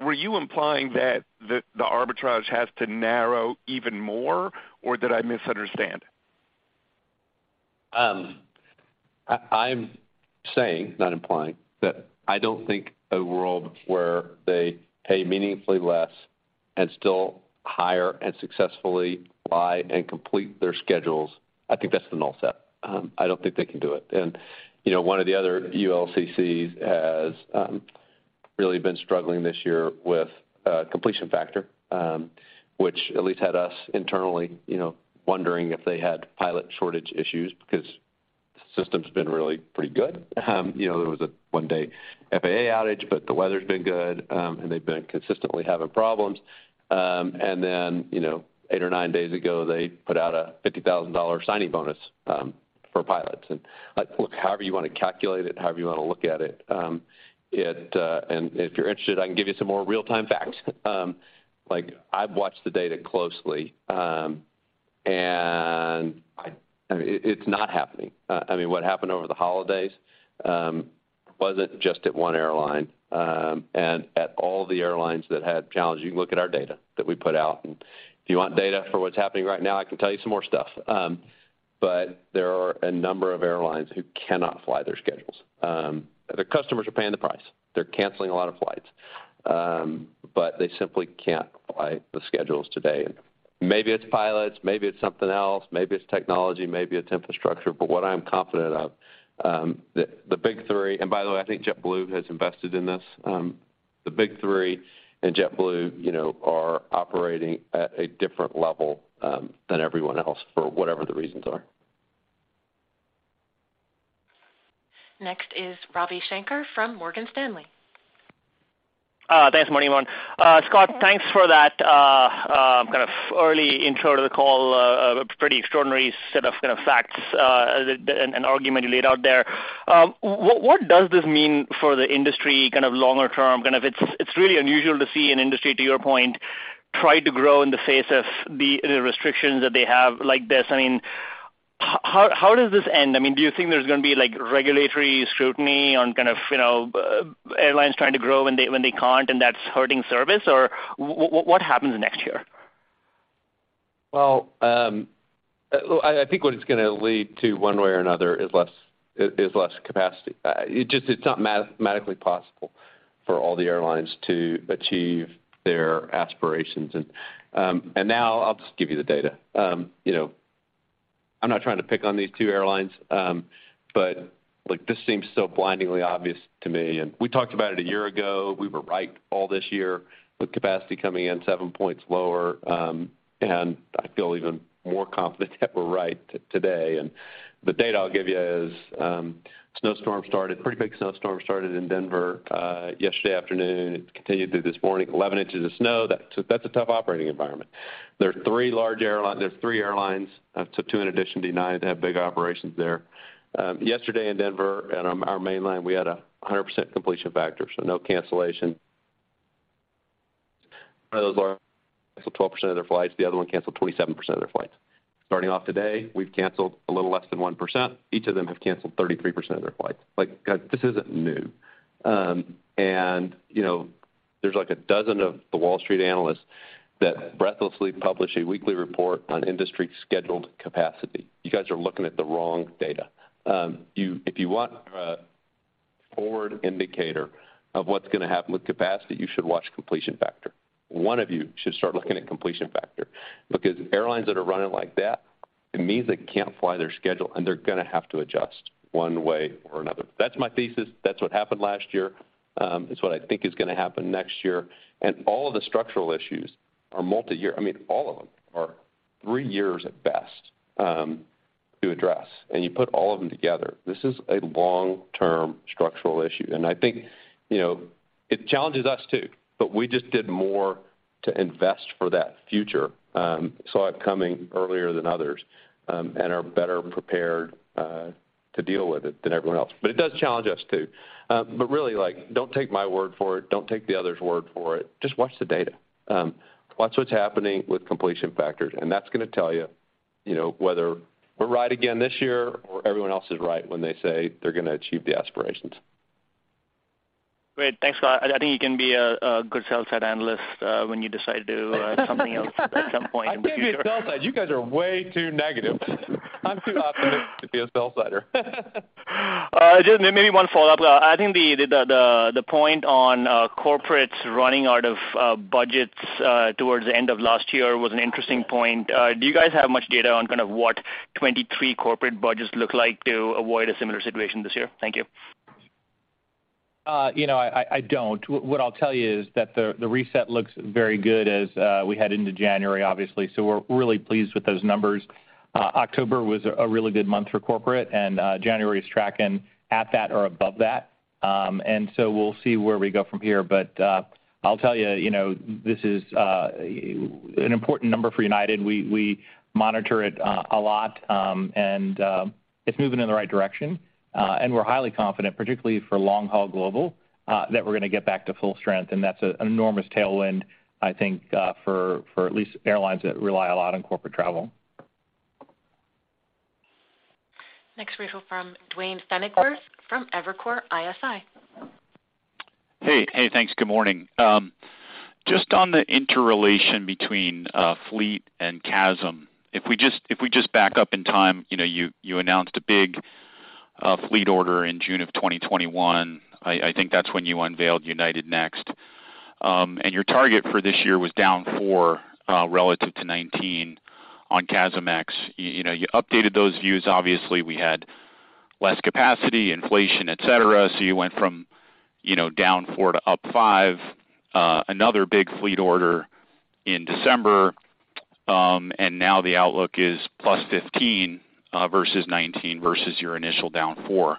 Were you implying that the arbitrage has to narrow even more, or did I misunderstand? I'm saying, not implying, that I don't think a world where they pay meaningfully less and still hire and successfully fly and complete their schedules, I think that's the null set. I don't think they can do it. You know, one of the other ULCCs has really been struggling this year with completion factor, which at least had us internally, you know, wondering if they had pilot shortage issues because the system's been really pretty good. You know, there was a one-day FAA outage, but the weather's been good, and they've been consistently having problems. You know, eight or nine days ago, they put out a $50,000 signing bonus for pilots. Look, however you wanna calculate it, however you wanna look at it. If you're interested, I can give you some more real-time facts. Like I've watched the data closely, it's not happening. I mean, what happened over the holidays wasn't just at one airline. At all the airlines that had challenges, you can look at our data that we put out, and if you want data for what's happening right now, I can tell you some more stuff. There are a number of airlines who cannot fly their schedules. Their customers are paying the price. They're canceling a lot of flights. They simply can't apply the schedules today. Maybe it's pilots, maybe it's something else, maybe it's technology, maybe it's infrastructure, but what I'm confident of, the big three, and by the way, I think JetBlue has invested in this. The big three and JetBlue, you know, are operating at a different level than everyone else for whatever the reasons are. Next is Ravi Shanker from Morgan Stanley. Thanks. Morning, everyone. Scott, thanks for that kind of early intro to the call, pretty extraordinary set of kind of facts and argument you laid out there. What does this mean for the industry kind of longer term? Kind of, it's really unusual to see an industry, to your point, try to grow in the face of the restrictions that they have like this. I mean, how does this end? I mean, do you think there's gonna be, like, regulatory scrutiny on kind of, you know, airlines trying to grow when they, when they can't, and that's hurting service? What happens next year? Well, I think what it's gonna lead to one way or another is less capacity. It just, it's not mathematically possible for all the airlines to achieve their aspirations. Now I'll just give you the data. You know, I'm not trying to pick on these two airlines, but, look, this seems so blindingly obvious to me. We talked about it a year ago. We were right all this year with capacity coming in seven points lower, and I feel even more confident that we're right today. The data I'll give you is, pretty big snowstorm started in Denver yesterday afternoon. It continued through this morning. 11 inches of snow, that's a tough operating environment. There's three airlines, up to two in addition to United, that have big operations there. Yesterday in Denver and on our main line, we had a 100% completion factor, so no cancellation. One of those large, 12% of their flights, the other one canceled 27% of their flights. Starting off today, we've canceled a little less than 1%. Each of them have canceled 33% of their flights. Like, guys, this isn't new. You know, there's like 12 of the Wall Street analysts that breathlessly publish a weekly report on industry scheduled capacity. You guys are looking at the wrong data. If you want a forward indicator of what's gonna happen with capacity, you should watch completion factor. One of you should start looking at completion factor because airlines that are running like that, it means they can't fly their schedule, and they're gonna have to adjust one way or another. That's my thesis. That's what happened last year. It's what I think is gonna happen next year. All of the structural issues are multi-year. I mean, all of them are three years at best, to address. You put all of them together, this is a long-term structural issue. I think, you know, it challenges us too, but we just did more to invest for that future, saw it coming earlier than others, and are better prepared to deal with it than everyone else. It does challenge us, too. Really, like, don't take my word for it, don't take the others' word for it. Just watch the data. Watch what's happening with completion factors, that's going to tell you know, whether we're right again this year or everyone else is right when they say they're going to achieve the aspirations. Great. Thanks, Scott. I think you can be a good sell-side analyst, when you decide to something else at some point. I can't be a sell-side. You guys are way too negative. I'm too optimistic to be a sell-sider. Just maybe one follow-up. I think the point on corporates running out of budgets towards the end of last year was an interesting point. Do you guys have much data on kind of what 2023 corporate budgets look like to avoid a similar situation this year? Thank you. You know, I don't. What I'll tell you is that the reset looks very good as we head into January, obviously. We're really pleased with those numbers. October was a really good month for corporate, and January is tracking at that or above that. We'll see where we go from here. I'll tell you know, this is an important number for United. We monitor it a lot, and it's moving in the right direction. We're highly confident, particularly for long-haul global, that we're gonna get back to full strength. That's an enormous tailwind, I think, for at least airlines that rely a lot on corporate travel. Next we hear from Duane Pfennigwerth from Evercore ISI. Hey. Hey, thanks. Good morning. Just on the interrelation between fleet and CASM. If we just back up in time, you know, you announced a big fleet order in June of 2021. I think that's when you unveiled United Next. And your target for this year was -4% relative to 2019 on CASM-ex. You know, you updated those views. Obviously, we had less capacity, inflation, et cetera. You went from, you know, -4% to +5%. Another big fleet order in December, and now the outlook is +15% versus 2019 versus your initial -4%.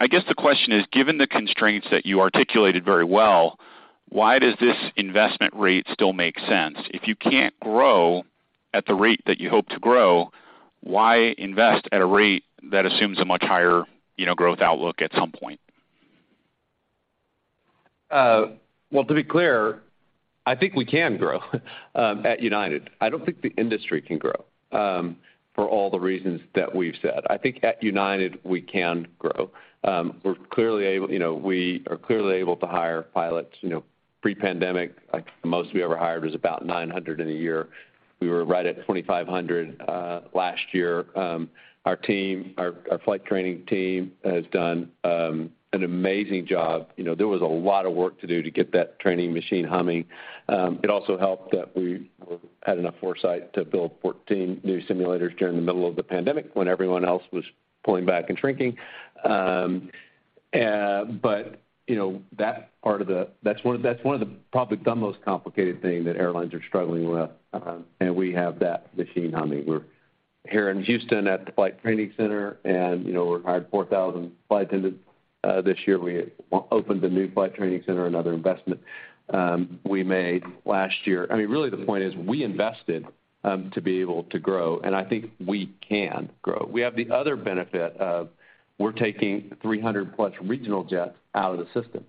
I guess the question is, given the constraints that you articulated very well, why does this investment rate still make sense? If you can't grow at the rate that you hope to grow, why invest at a rate that assumes a much higher, you know, growth outlook at some point? Well, to be clear, I think we can grow at United. I don't think the industry can grow, for all the reasons that we've said. I think at United, we can grow. You know, we are clearly able to hire pilots. You know, pre-pandemic, like, the most we ever hired was about 900 in a year. We were right at 2,500 last year. Our team, our flight training team has done an amazing job. You know, there was a lot of work to do to get that training machine humming. It also helped that we had enough foresight to build 14 new simulators during the middle of the pandemic when everyone else was pulling back and shrinking. You know, that's one, that's one of the probably the most complicated thing that airlines are struggling with. We have that machine humming. We're here in Houston at the flight training center, and, you know, we hired 4,000 flight attendants. This year, we opened a new flight training center, another investment, we made last year. I mean, really the point is, we invested to be able to grow, and I think we can grow. We have the other benefit of we're taking 300 plus regional jets out of the system.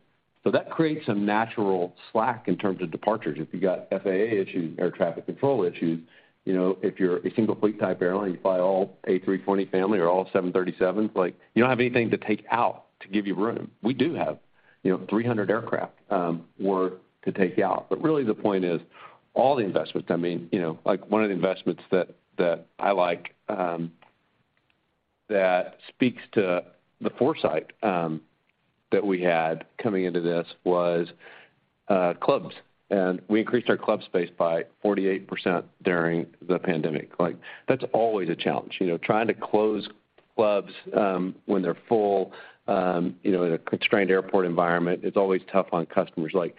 That creates some natural slack in terms of departures. If you got FAA issues, air traffic control issues, you know, if you're a single fleet type airline, you fly all A320 family or all 737s, like, you don't have anything to take out to give you room. We do have, you know, 300 aircraft worth to take out. Really the point is all the investments, I mean, you know. Like one of the investments that I like that speaks to the foresight that we had coming into this was clubs. We increased our club space by 48% during the pandemic. Like, that's always a challenge, you know. Trying to close clubs when they're full, you know, in a constrained airport environment, it's always tough on customers. Like,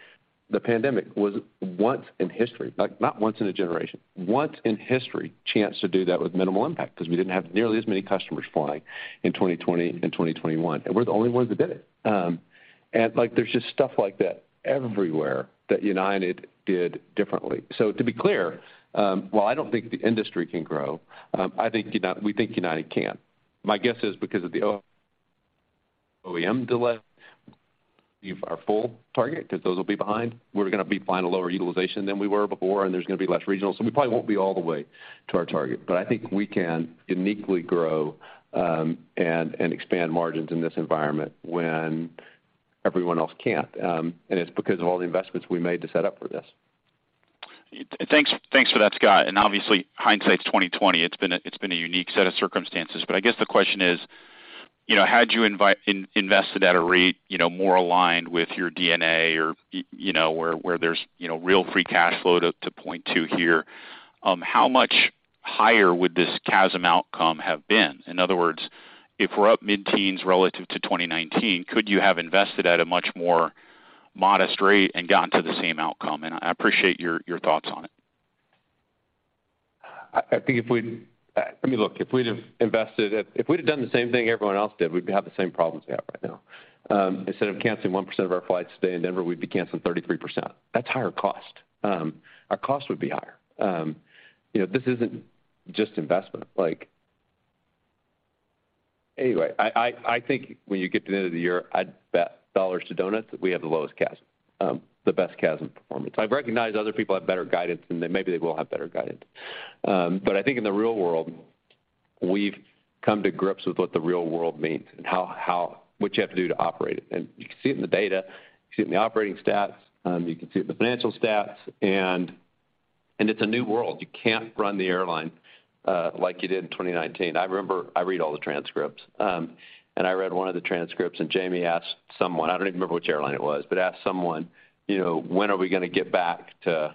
the pandemic was once in history, like, not once in a generation, once in history chance to do that 'cause we didn't have nearly as many customers flying in 2020 and 2021, and we're the only ones that did it. And like, there's just stuff like that everywhere that United did differently. To be clear, while I don't think the industry can grow, we think United can. My guess is because of the OEM delay, our full target, 'cause those will be behind. We're gonna be flying a lower utilization than we were before, and there's gonna be less regional, so we probably won't be all the way to our target. I think we can uniquely grow and expand margins in this environment when everyone else can't. It's because of all the investments we made to set up for this. Thanks for that, Scott. Obviously hindsight is 20/20. It's been a unique set of circumstances, but I guess the question is, you know, had you invested at a rate, you know, more aligned with your DNA or you know, where there's, you know, real free cash flow to point to here, how much higher would this CASM outcome have been? In other words, if we're up mid-teens relative to 2019, could you have invested at a much more modest rate and gotten to the same outcome? I appreciate your thoughts on it. I think I mean look if we'd have done the same thing everyone else did, we'd have the same problems we have right now. Instead of canceling 1% of our flights today in Denver, we'd be canceling 33%. That's higher cost. Our cost would be higher. You know, this isn't just investment. Like... Anyway, I think when you get to the end of the year, I'd bet dollars to donuts that we have the lowest CASM, the best CASM performance. I recognize other people have better guidance, and they maybe they will have better guidance. I think in the real world, we've come to grips with what the real world means and how what you have to do to operate it. You can see it in the data, you can see it in the operating stats, you can see it in the financial stats, and it's a new world. You can't run the airline, like you did in 2019. I read all the transcripts, and I read one of the transcripts, and Jamie asked someone, I don't even remember which airline it was, but asked someone, you know, "When are we gonna get back to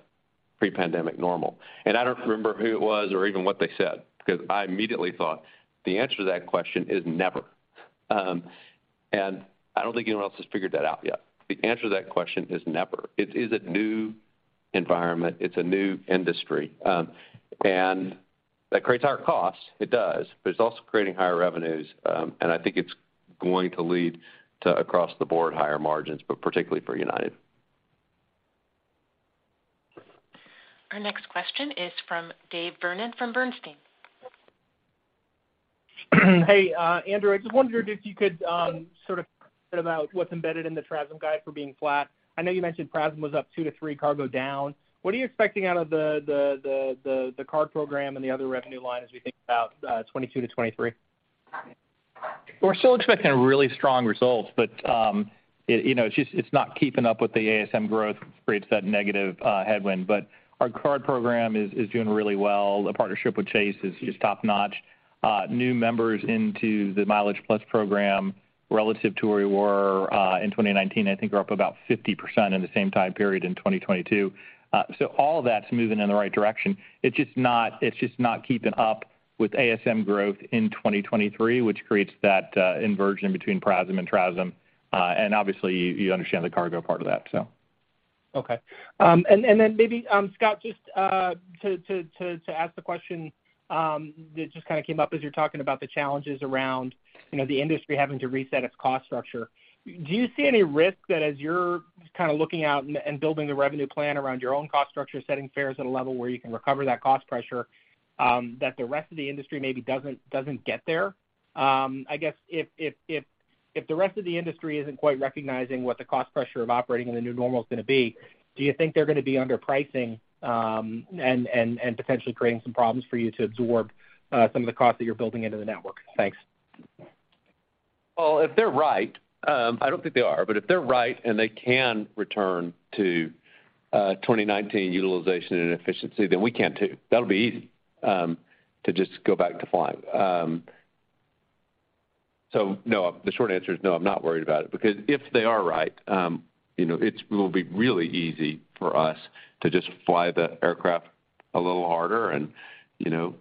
pre-pandemic normal?" I don't remember who it was or even what they said, because I immediately thought the answer to that question is never. I don't think anyone else has figured that out yet. The answer to that question is never. It is a new environment. It's a new industry. That creates higher costs. It does. it's also creating higher revenues, and I think it's going to lead to across the board higher margins, but particularly for United. Our next question is from Dave Vernon from Bernstein. Hey, Andrew, I just wondered if you could sort of about what's embedded in the TRASM guide for being flat. I know you mentioned PRASM was up 2%-3%, cargo down. What are you expecting out of the card program and the other revenue line as we think about 2022-2023? We're still expecting really strong results, but, you know, it's not keeping up with the ASM growth, creates that negative headwind. Our card program is doing really well. The partnership with Chase is top-notch. New members into the MileagePlus program relative to where we were in 2019, I think are up about 50% in the same time period in 2022. All of that's moving in the right direction. It's just not keeping up with ASM growth in 2023, which creates that inversion between PRASM and TRASM. Obviously you understand the cargo part of that, so. Okay. Then maybe, Scott, just to ask the question, that just kind of came up as you're talking about the challenges around, you know, the industry having to reset its cost structure. Do you see any risk that as you're kind of looking out and building the revenue plan around your own cost structure, setting fares at a level where you can recover that cost pressure, that the rest of the industry maybe doesn't get there? I guess if the rest of the industry isn't quite recognizing what the cost pressure of operating in the new normal is gonna be, do you think they're gonna be underpricing, and potentially creating some problems for you to absorb, some of the costs that you're building into the network? Thanks. Well, if they're right, I don't think they are, but if they're right and they can return to 2019 utilization and efficiency, then we can too. That'll be easy to just go back to flying. No. The short answer is no, I'm not worried about it because if they are right, you know, it will be really easy for us to just fly the aircraft a little harder and, you know,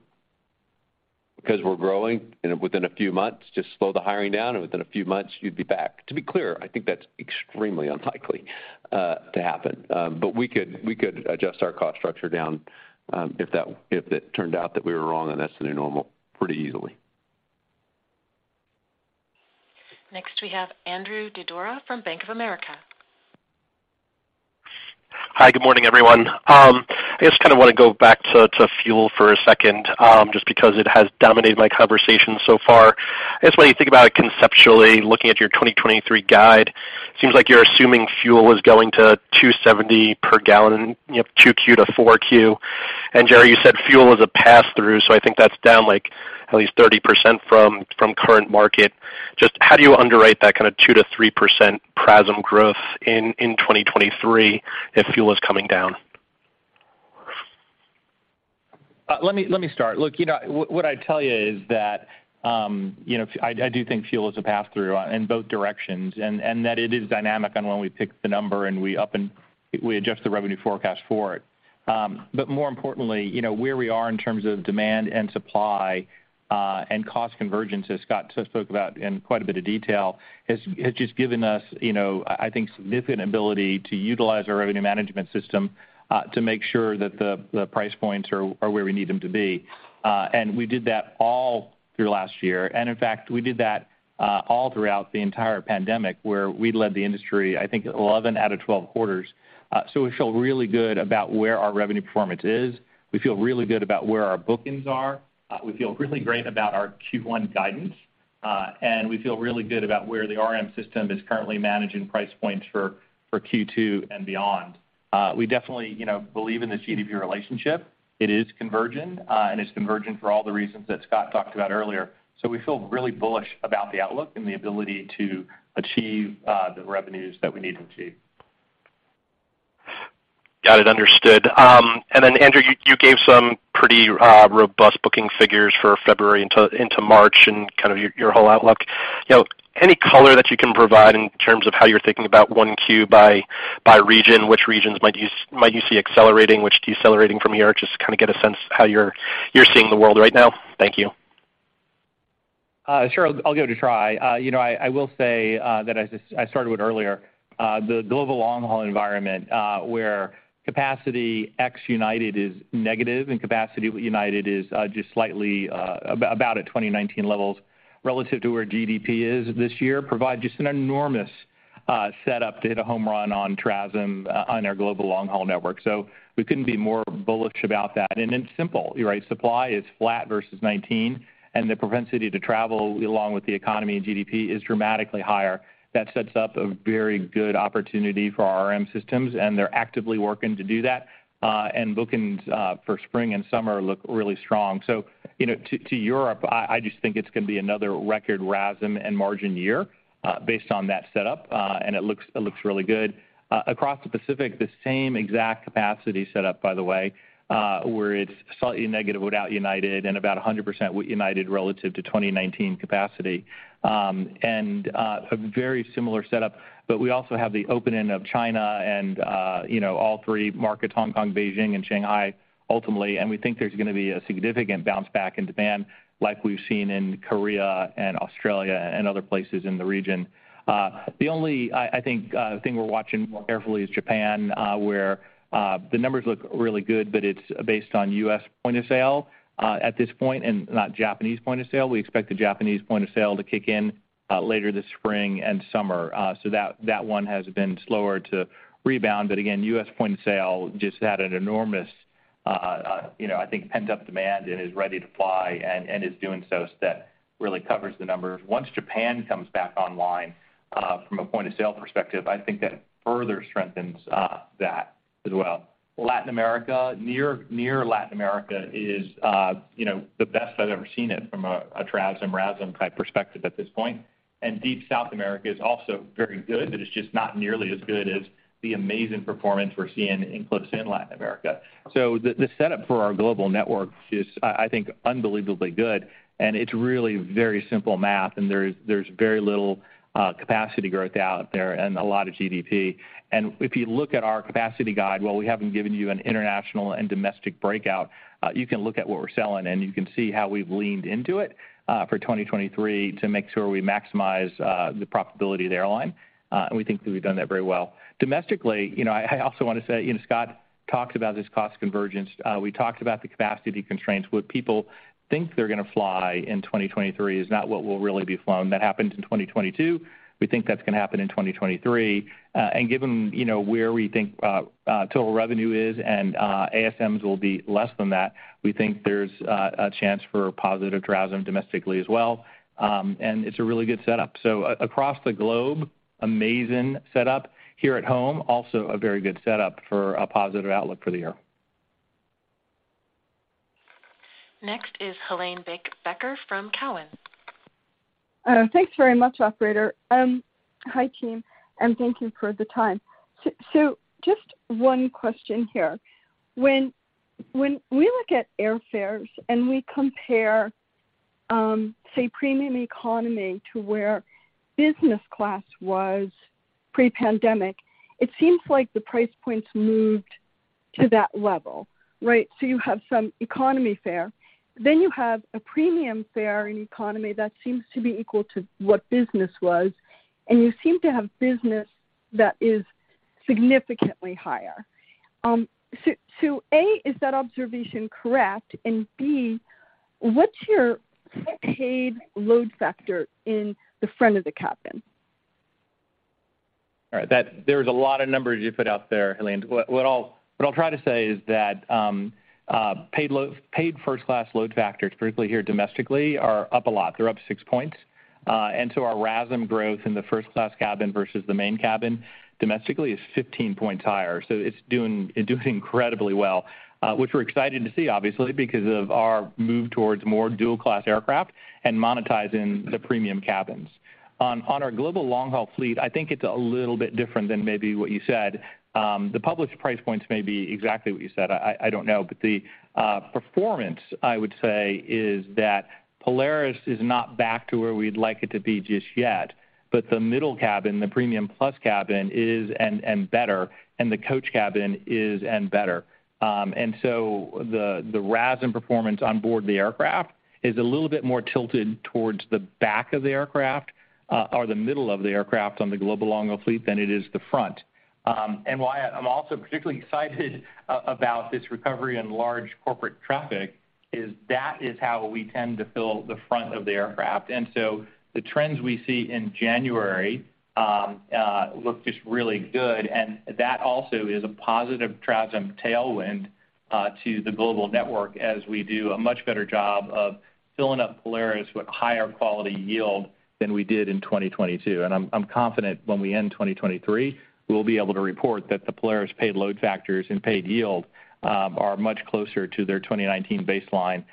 because we're growing, and within a few months, just slow the hiring down, and within a few months you'd be back. To be clear, I think that's extremely unlikely to happen. We could, we could adjust our cost structure down if it turned out that we were wrong and that's the new normal pretty easily. Next, we have Andrew Didora from Bank of America. Hi, good morning, everyone. I just kind of want to go back to fuel for a second, just because it has dominated my conversation so far. I guess when you think about it conceptually, looking at your 2023 guide, it seems like you're assuming fuel is going to $2.70 per gallon, you know, 2Q to 4Q. Gerry, you said fuel is a pass-through, so I think that's down like at least 30% from current market. Just how do you underwrite that kind of 2%-3% PRASM growth in 2023 if fuel is coming down? Let me start. Look, you know, what I'd tell you is that, you know, I do think fuel is a pass-through in both directions, and that it is dynamic on when we pick the number and we adjust the revenue forecast for it. More importantly, you know, where we are in terms of demand and supply, and cost convergence, as Scott just spoke about in quite a bit of detail, has just given us, you know, I think, significant ability to utilize our revenue management system to make sure that the price points are where we need them to be. We did that all through last year. In fact, we did that all throughout the entire pandemic where we led the industry, I think, 11 out of 12 quarters. We feel really good about where our revenue performance is. We feel really good about where our bookings are. We feel really great about our Q1 guidance. We feel really good about where the RM system is currently managing price points for Q2 and beyond. We definitely, you know, believe in the CDP relationship. It is convergent, and it's convergent for all the reasons that Scott talked about earlier. We feel really bullish about the outlook and the ability to achieve the revenues that we need to achieve. Got it. Understood. Andrew, you gave some pretty robust booking figures for February into March and kind of your whole outlook. You know, any color that you can provide in terms of how you're thinking about 1Q by region, which regions might you see accelerating, which decelerating from here? Just to kinda get a sense how you're seeing the world right now. Thank you. Sure. I'll give it a try. You know, I will say that as I started with earlier, the global long-haul environment, where capacity ex-United is negative and capacity with United is just slightly about at 2019 levels relative to where GDP is this year, provide just an enormous setup to hit a home run on TRASM on our global long-haul network. We couldn't be more bullish about that. It's simple, right? Supply is flat versus 2019, and the propensity to travel along with the economy and GDP is dramatically higher. That sets up a very good opportunity for our RM systems, and they're actively working to do that. And bookings for spring and summer look really strong. You know, to Europe, I just think it's gonna be another record RASM and margin year, based on that setup, and it looks really good. Across the Pacific, the same exact capacity setup, by the way, where it's slightly negative without United and about 100% with United relative to 2019 capacity. A very similar setup, we also have the opening of China and, you know, all three markets, Hong Kong, Beijing, and Shanghai, ultimately. We think there's gonna be a significant bounce back in demand like we've seen in Korea and Australia and other places in the region. The only thing we're watching more carefully is Japan, where the numbers look really good, but it's based on U.S. point of sale at this point and not Japanese point of sale. We expect the Japanese point of sale to kick in later this spring and summer. So that one has been slower to rebound. But again, U.S. point of sale just had an enormous, you know, I think pent-up demand and is ready to fly and is doing so. So that really covers the numbers. Once Japan comes back online from a point-of-sale perspective, I think that further strengthens that as well. Latin America, near Latin America is, you know, the best I've ever seen it from a TRASM, RASM type perspective at this point. Deep South America is also very good, but it's just not nearly as good as the amazing performance we're seeing in close in Latin America. The setup for our global network is, I think, unbelievably good, and it's really very simple math, and there's very little capacity growth out there and a lot of GDP. If you look at our capacity guide, while we haven't given you an international and domestic breakout, you can look at what we're selling, and you can see how we've leaned into it for 2023 to make sure we maximize the profitability of the airline, and we think that we've done that very well. Domestically, you know, I also want to say, you know, Scott talked about this cost convergence. We talked about the capacity constraints. What people think they're gonna fly in 2023 is not what will really be flown. That happened in 2022. We think that's gonna happen in 2023. Given, you know, where we think total revenue is and ASMs will be less than that, we think there's a chance for positive TRASM domestically as well. It's a really good setup. Across the globe, amazing setup. Here at home, also a very good setup for a positive outlook for the year. Next is Helane Becker from Cowen. Thanks very much, operator. Hi, team, and thank you for the time. Just one question here. When we look at airfares and we compare, say premium economy to where business class was pre-pandemic, it seems like the price points moved to that level, right? You have some economy fare, then you have a premium fare in economy that seems to be equal to what business was, and you seem to have business that is significantly higher. A, is that observation correct? And B, what's your paid load factor in the front of the cabin? All right. There's a lot of numbers you put out there, Helane. What I'll try to say is that paid first class load factors, particularly here domestically, are up a lot. They're up six points. Our RASM growth in the first class cabin versus the main cabin domestically is 15 points higher. It's doing incredibly well, which we're excited to see obviously because of our move towards more dual class aircraft and monetizing the premium cabins. On our global long-haul fleet, I think it's a little bit different than maybe what you said. The published price points may be exactly what you said. I don't know. The performance I would say is that Polaris is not back to where we'd like it to be just yet, but the middle cabin, the Premium Plus cabin is and better, and the coach cabin is and better. The RASM performance on board the aircraft is a little bit more tilted towards the back of the aircraft, or the middle of the aircraft on the global long-haul fleet than it is the front. Why I'm also particularly excited about this recovery in large corporate traffic is that is how we tend to fill the front of the aircraft. The trends we see in January look just really good, and that also is a positive TRASM tailwind to the global network as we do a much better job of filling up Polaris with higher quality yield than we did in 2022. I'm confident when we end 2023, we'll be able to report that the Polaris paid load factors and paid yield are much closer to their 2019 baseline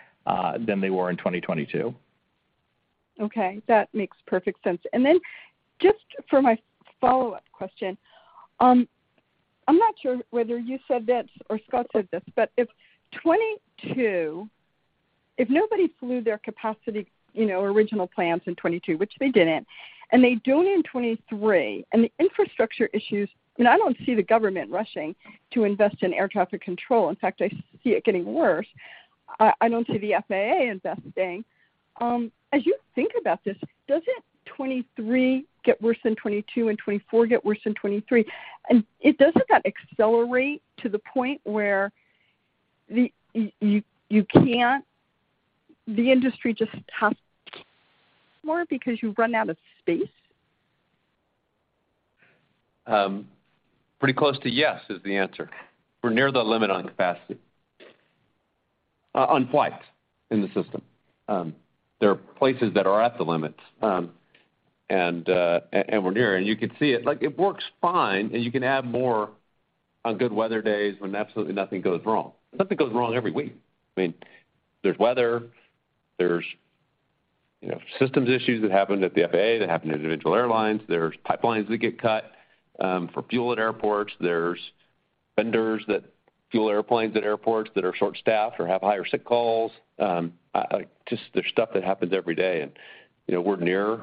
than they were in 2022. Okay, that makes perfect sense. Just for my follow-up question, I'm not sure whether you said this or Scott said this, but if nobody flew their capacity, you know, original plans in 2022, which they didn't, and they don't in 2023, and the infrastructure issues, you know, I don't see the government rushing to invest in air traffic control. In fact, I see it getting worse. I don't see the FAA investing. As you think about this, doesn't 2023 get worse than 2022 and 2024 get worse than 2023? Doesn't that accelerate to the point where the industry just has more because you run out of space? Pretty close to yes is the answer. We're near the limit on capacity on flights in the system. There are places that are at the limits. We're near, and you can see it. Like, it works fine, and you can add more on good weather days when absolutely nothing goes wrong. Something goes wrong every week. I mean, there's weather, there's, you know, systems issues that happen at the FAA, that happen to individual airlines. There's pipelines that get cut for fuel at airports. There's vendors that fuel airplanes at airports that are short-staffed or have higher sick calls. Just there's stuff that happens every day and, you know, we're near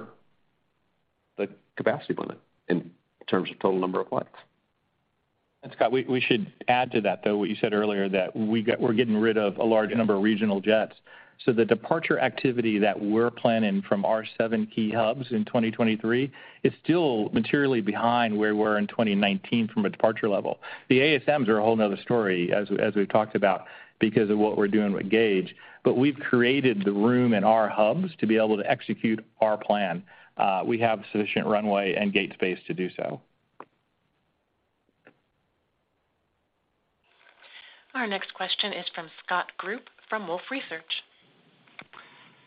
the capacity limit in terms of total number of flights. Scott, we should add to that, though, what you said earlier that we're getting rid of a large number of regional jets. The departure activity that we're planning from our seven key hubs in 2023 is still materially behind where we were in 2019 from a departure level. The ASMs are a whole another story, as we've talked about, because of what we're doing with gauge. We've created the room in our hubs to be able to execute our plan. We have sufficient runway and gate space to do so. Our next question is from Scott Group from Wolfe Research.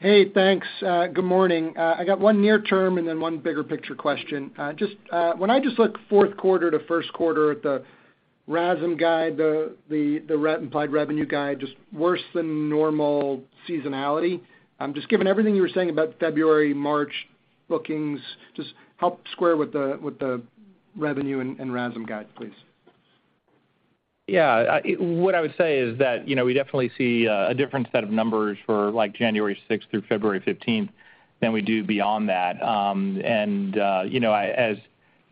Hey, thanks. Good morning. I got one near term and then one bigger picture question. Just when I just look fourth quarter to first quarter at the RASM guide, the re-implied revenue guide, just worse than normal seasonality. Just given everything you were saying about February, March bookings, just help square with the revenue and RASM guide, please. Yeah. What I would say is that, you know, we definitely see a different set of numbers for, like, January 6th through February 15th than we do beyond that. You know,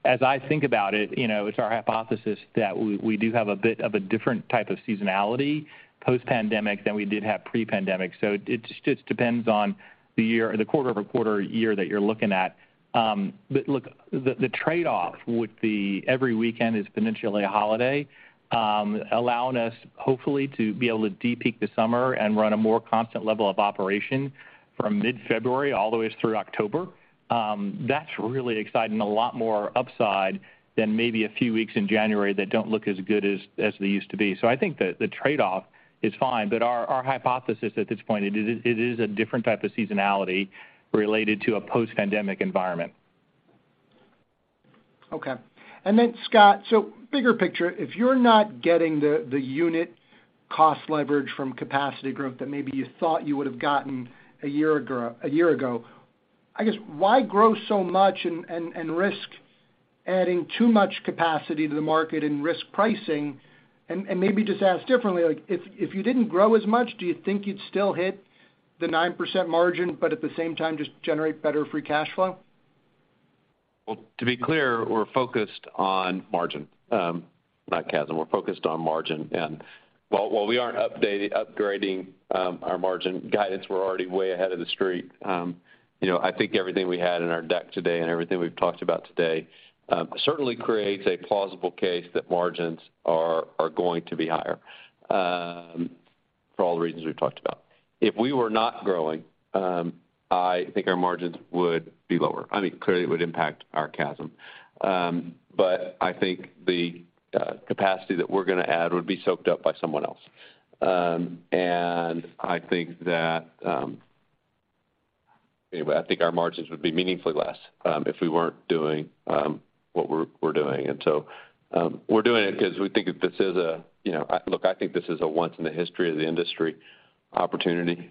as I think about it, you know, it's our hypothesis that we do have a bit of a different type of seasonality post-pandemic than we did have pre-pandemic. It just depends on the year or the quarter-over-quarter year that you're looking at. Look, the trade-off would be every weekend is potentially a holiday, allowing us hopefully to be able to de-peak the summer and run a more constant level of operation from mid-February all the way through October. That's really exciting, a lot more upside than maybe a few weeks in January that don't look as good as they used to be. I think the trade-off is fine, but our hypothesis at this point, it is a different type of seasonality related to a post-pandemic environment. Scott, bigger picture, if you're not getting the unit cost leverage from capacity growth that maybe you thought you would have gotten a year ago, I guess, why grow so much and risk adding too much capacity to the market and risk pricing? Maybe just ask differently, like if you didn't grow as much, do you think you'd still hit the 9% margin, but at the same time just generate better free cash flow? Well, to be clear, we're focused on margin, not CASM. We're focused on margin. While we aren't upgrading, our margin guidance, we're already way ahead of the street. you know, I think everything we had in our deck today and everything we've talked about today, certainly creates a plausible case that margins are going to be higher, for all the reasons we've talked about. If we were not growing, I think our margins would be lower. I mean, clearly it would impact our CASM. I think the capacity that we're gonna add would be soaked up by someone else. Anyway, I think our margins would be meaningfully less, if we weren't doing, what we're doing. We're doing it 'cause we think that this is a, you know, Look, I think this is a once in the history of the industry opportunity.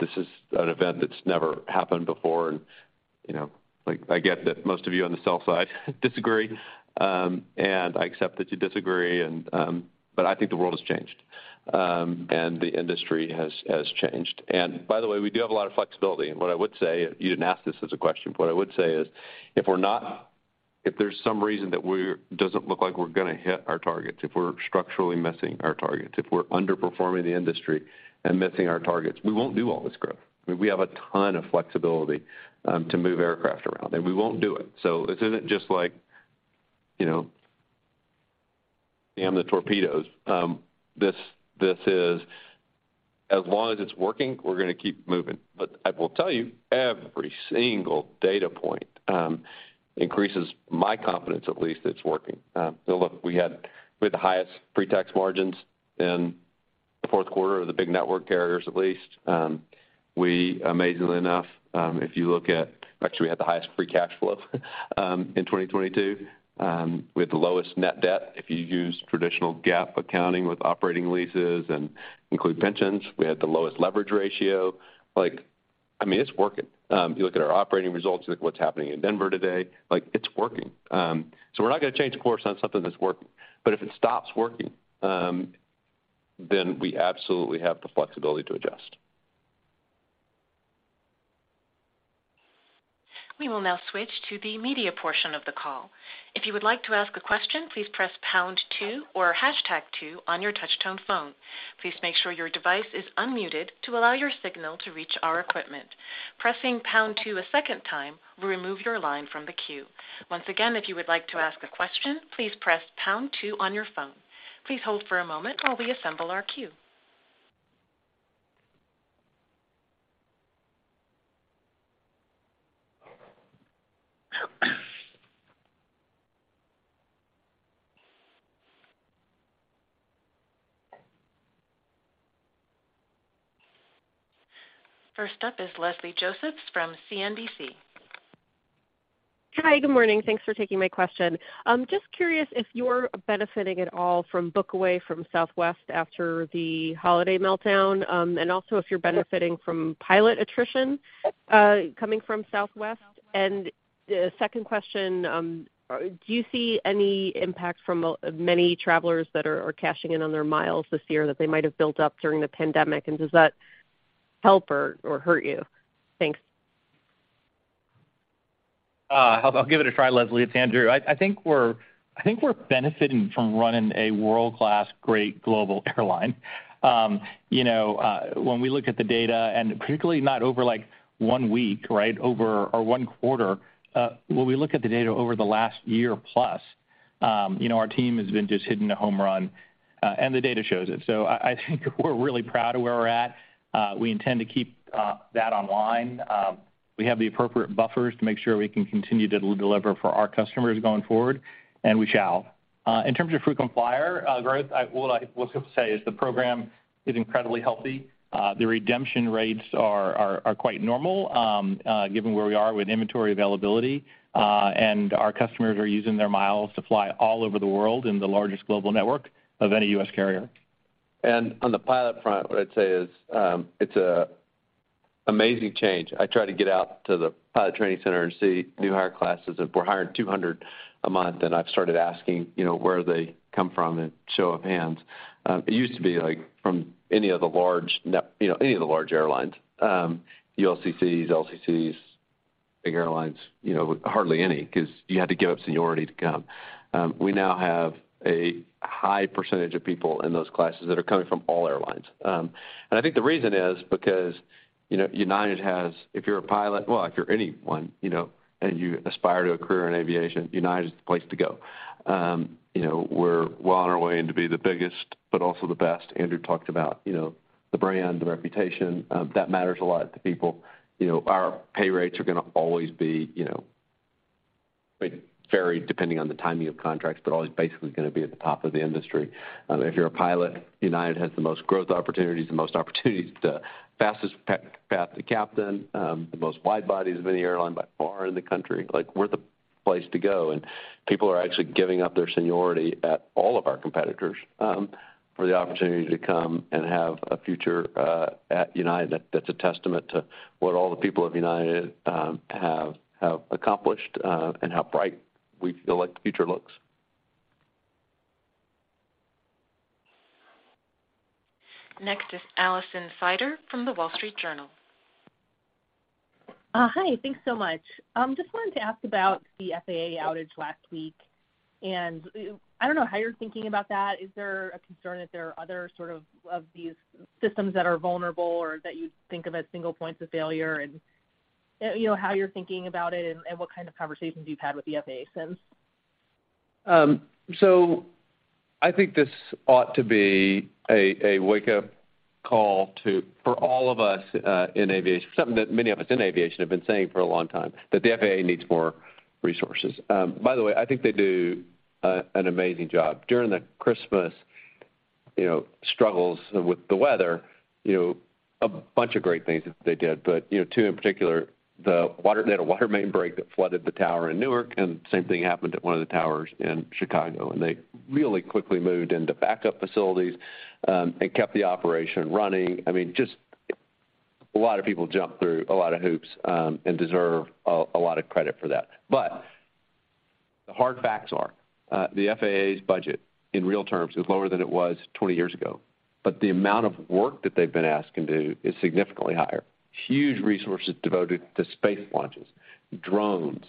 This is an event that's never happened before and, you know, like I get that most of you on the sell side disagree, and I accept that you disagree and, but I think the world has changed. The industry has changed. By the way, we do have a lot of flexibility. What I would say, you didn't ask this as a question, but what I would say is doesn't look like we're gonna hit our targets, if we're structurally missing our targets, if we're underperforming the industry and missing our targets, we won't do all this growth. I mean, we have a ton of flexibility to move aircraft around. We won't do it. This isn't just like, you know, damn the torpedoes. This is, as long as it's working, we're gonna keep moving. I will tell you, every single data point increases my confidence, at least it's working. Look, we had the highest pre-tax margins in the fourth quarter of the big network carriers, at least. We amazingly enough, actually, we had the highest free cash flow in 2022 with the lowest net debt. If you use traditional GAAP accounting with operating leases and include pensions, we had the lowest leverage ratio. I mean, it's working. You look at our operating results, look at what's happening in Denver today, like, it's working. We're not gonna change course on something that's working. If it stops working, then we absolutely have the flexibility to adjust. We will now switch to the media portion of the call. If you would like to ask a question, please press pound two or hashtag two on your touch-tone phone. Please make sure your device is unmuted to allow your signal to reach our equipment. Pressing pound two a second time will remove your line from the queue. Once again, if you would like to ask a question, please press pound two on your phone. Please hold for a moment while we assemble our queue. First up is Leslie Josephs from CNBC. Hi. Good morning. Thanks for taking my question. I'm just curious if you're benefiting at all from book away from Southwest after the holiday meltdown, also if you're benefiting from pilot attrition coming from Southwest? The second question, do you see any impact from many travelers that are cashing in on their miles this year that they might have built up during the pandemic? Does that help or hurt you? Thanks. I'll give it a try, Leslie. It's Andrew. I think we're benefiting from running a world-class, great global airline. You know, when we look at the data, particularly not over, like, 1 week, right? 1 quarter. When we look at the data over the last year-plus, you know, our team has been just hitting a home run, the data shows it. I think we're really proud of where we're at. We intend to keep that online. We have the appropriate buffers to make sure we can continue to de-deliver for our customers going forward, we shall. In terms of frequent flyer growth, what I was gonna say is the program is incredibly healthy. The redemption rates are quite normal given where we are with inventory availability, and our customers are using their miles to fly all over the world in the largest global network of any U.S. carrier. On the pilot front, what I'd say is, it's a amazing change. I try to get out to the pilot training center and see new hire classes. If we're hiring 200 a month, and I've started asking, you know, where they come from, and show of hands. It used to be, like, from any of the large you know, any of the large airlines, the LCCs, big airlines, you know, hardly any 'cause you had to give up seniority to come. We now have a high percentage of people in those classes that are coming from all airlines. I think the reason is because, you know, United has if you're a pilot, well, if you're anyone, you know, and you aspire to a career in aviation, United is the place to go. You know, we're well on our way in to be the biggest, but also the best. Andrew talked about, you know, the brand, the reputation, that matters a lot to people. You know, our pay rates are gonna always be, it varied depending on the timing of contracts, but always basically gonna be at the top of the industry. If you're a pilot, United has the most growth opportunities, the most opportunities, the fastest path to captain, the most wide bodies of any airline by far in the country. Like, we're the place to go. People are actually giving up their seniority at all of our competitors, for the opportunity to come and have a future at United. That's a testament to what all the people of United have accomplished and how bright we feel like the future looks. Next is Alison Sider from The Wall Street Journal. Hi. Thanks so much. Just wanted to ask about the FAA outage last week. I don't know how you're thinking about that. Is there a concern that there are other sort of these systems that are vulnerable or that you'd think of as single points of failure? You know, how you're thinking about it and what kind of conversations you've had with the FAA since? I think this ought to be a wake-up call for all of us in aviation. Something that many of us in aviation have been saying for a long time, that the FAA needs more resources. By the way, I think they do an amazing job. During the Christmas, you know, struggles with the weather, you know, a bunch of great things that they did. You know, two in particular, they had a water main break that flooded the tower in Newark, and same thing happened at one of the towers in Chicago. They really quickly moved into backup facilities and kept the operation running. I mean, just a lot of people jumped through a lot of hoops and deserve a lot of credit for that. The hard facts are, the FAA's budget, in real terms, is lower than it was 20 years ago. The amount of work that they've been asking to do is significantly higher. Huge resources devoted to space launches, drones,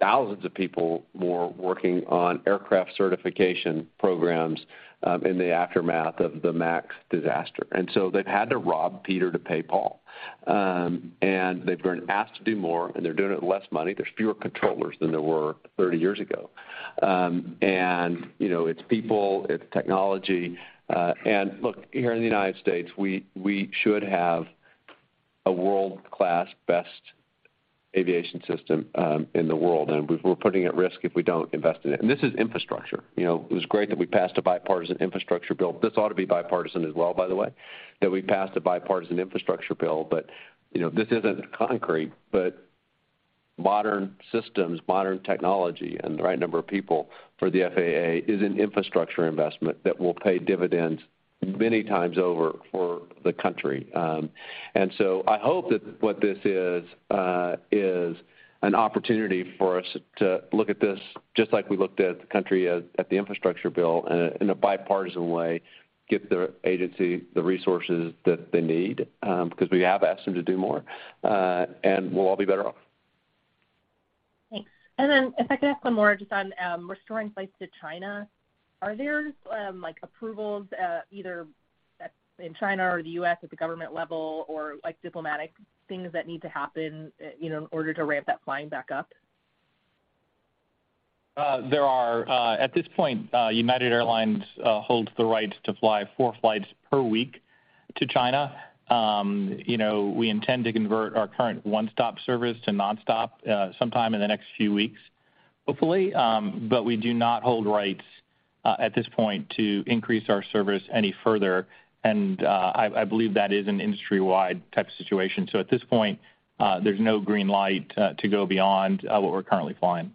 thousands of people more working on aircraft certification programs, in the aftermath of the MAX disaster. They've had to rob Peter to pay Paul. They've been asked to do more, and they're doing it with less money. There's fewer controllers than there were 30 years ago. You know, it's people, it's technology. Look, here in the United States, we should have a world-class best aviation system in the world, and we're putting at risk if we don't invest in it. This is infrastructure. You know, it was great that we passed a bipartisan infrastructure bill. This ought to be bipartisan as well, by the way, that we passed a bipartisan infrastructure bill. You know, this isn't concrete. Modern systems, modern technology, and the right number of people for the FAA is an infrastructure investment that will pay dividends many times over for the country. I hope that what this is an opportunity for us to look at this just like we looked at the infrastructure bill in a bipartisan way, get the agency the resources that they need, because we have asked them to do more, and we'll all be better off. Thanks. If I could ask one more just on restoring flights to China, are there, like, approvals, either in China or the U.S. at the government level or, like, diplomatic things that need to happen, you know, in order to ramp that flying back up? There are, at this point, United Airlines holds the rights to fly four flights per week to China. You know, we intend to convert our current one-stop service to nonstop, sometime in the next few weeks, hopefully. We do not hold rights, at this point, to increase our service any further, and I believe that is an industry-wide type situation. At this point, there's no green light to go beyond what we're currently flying.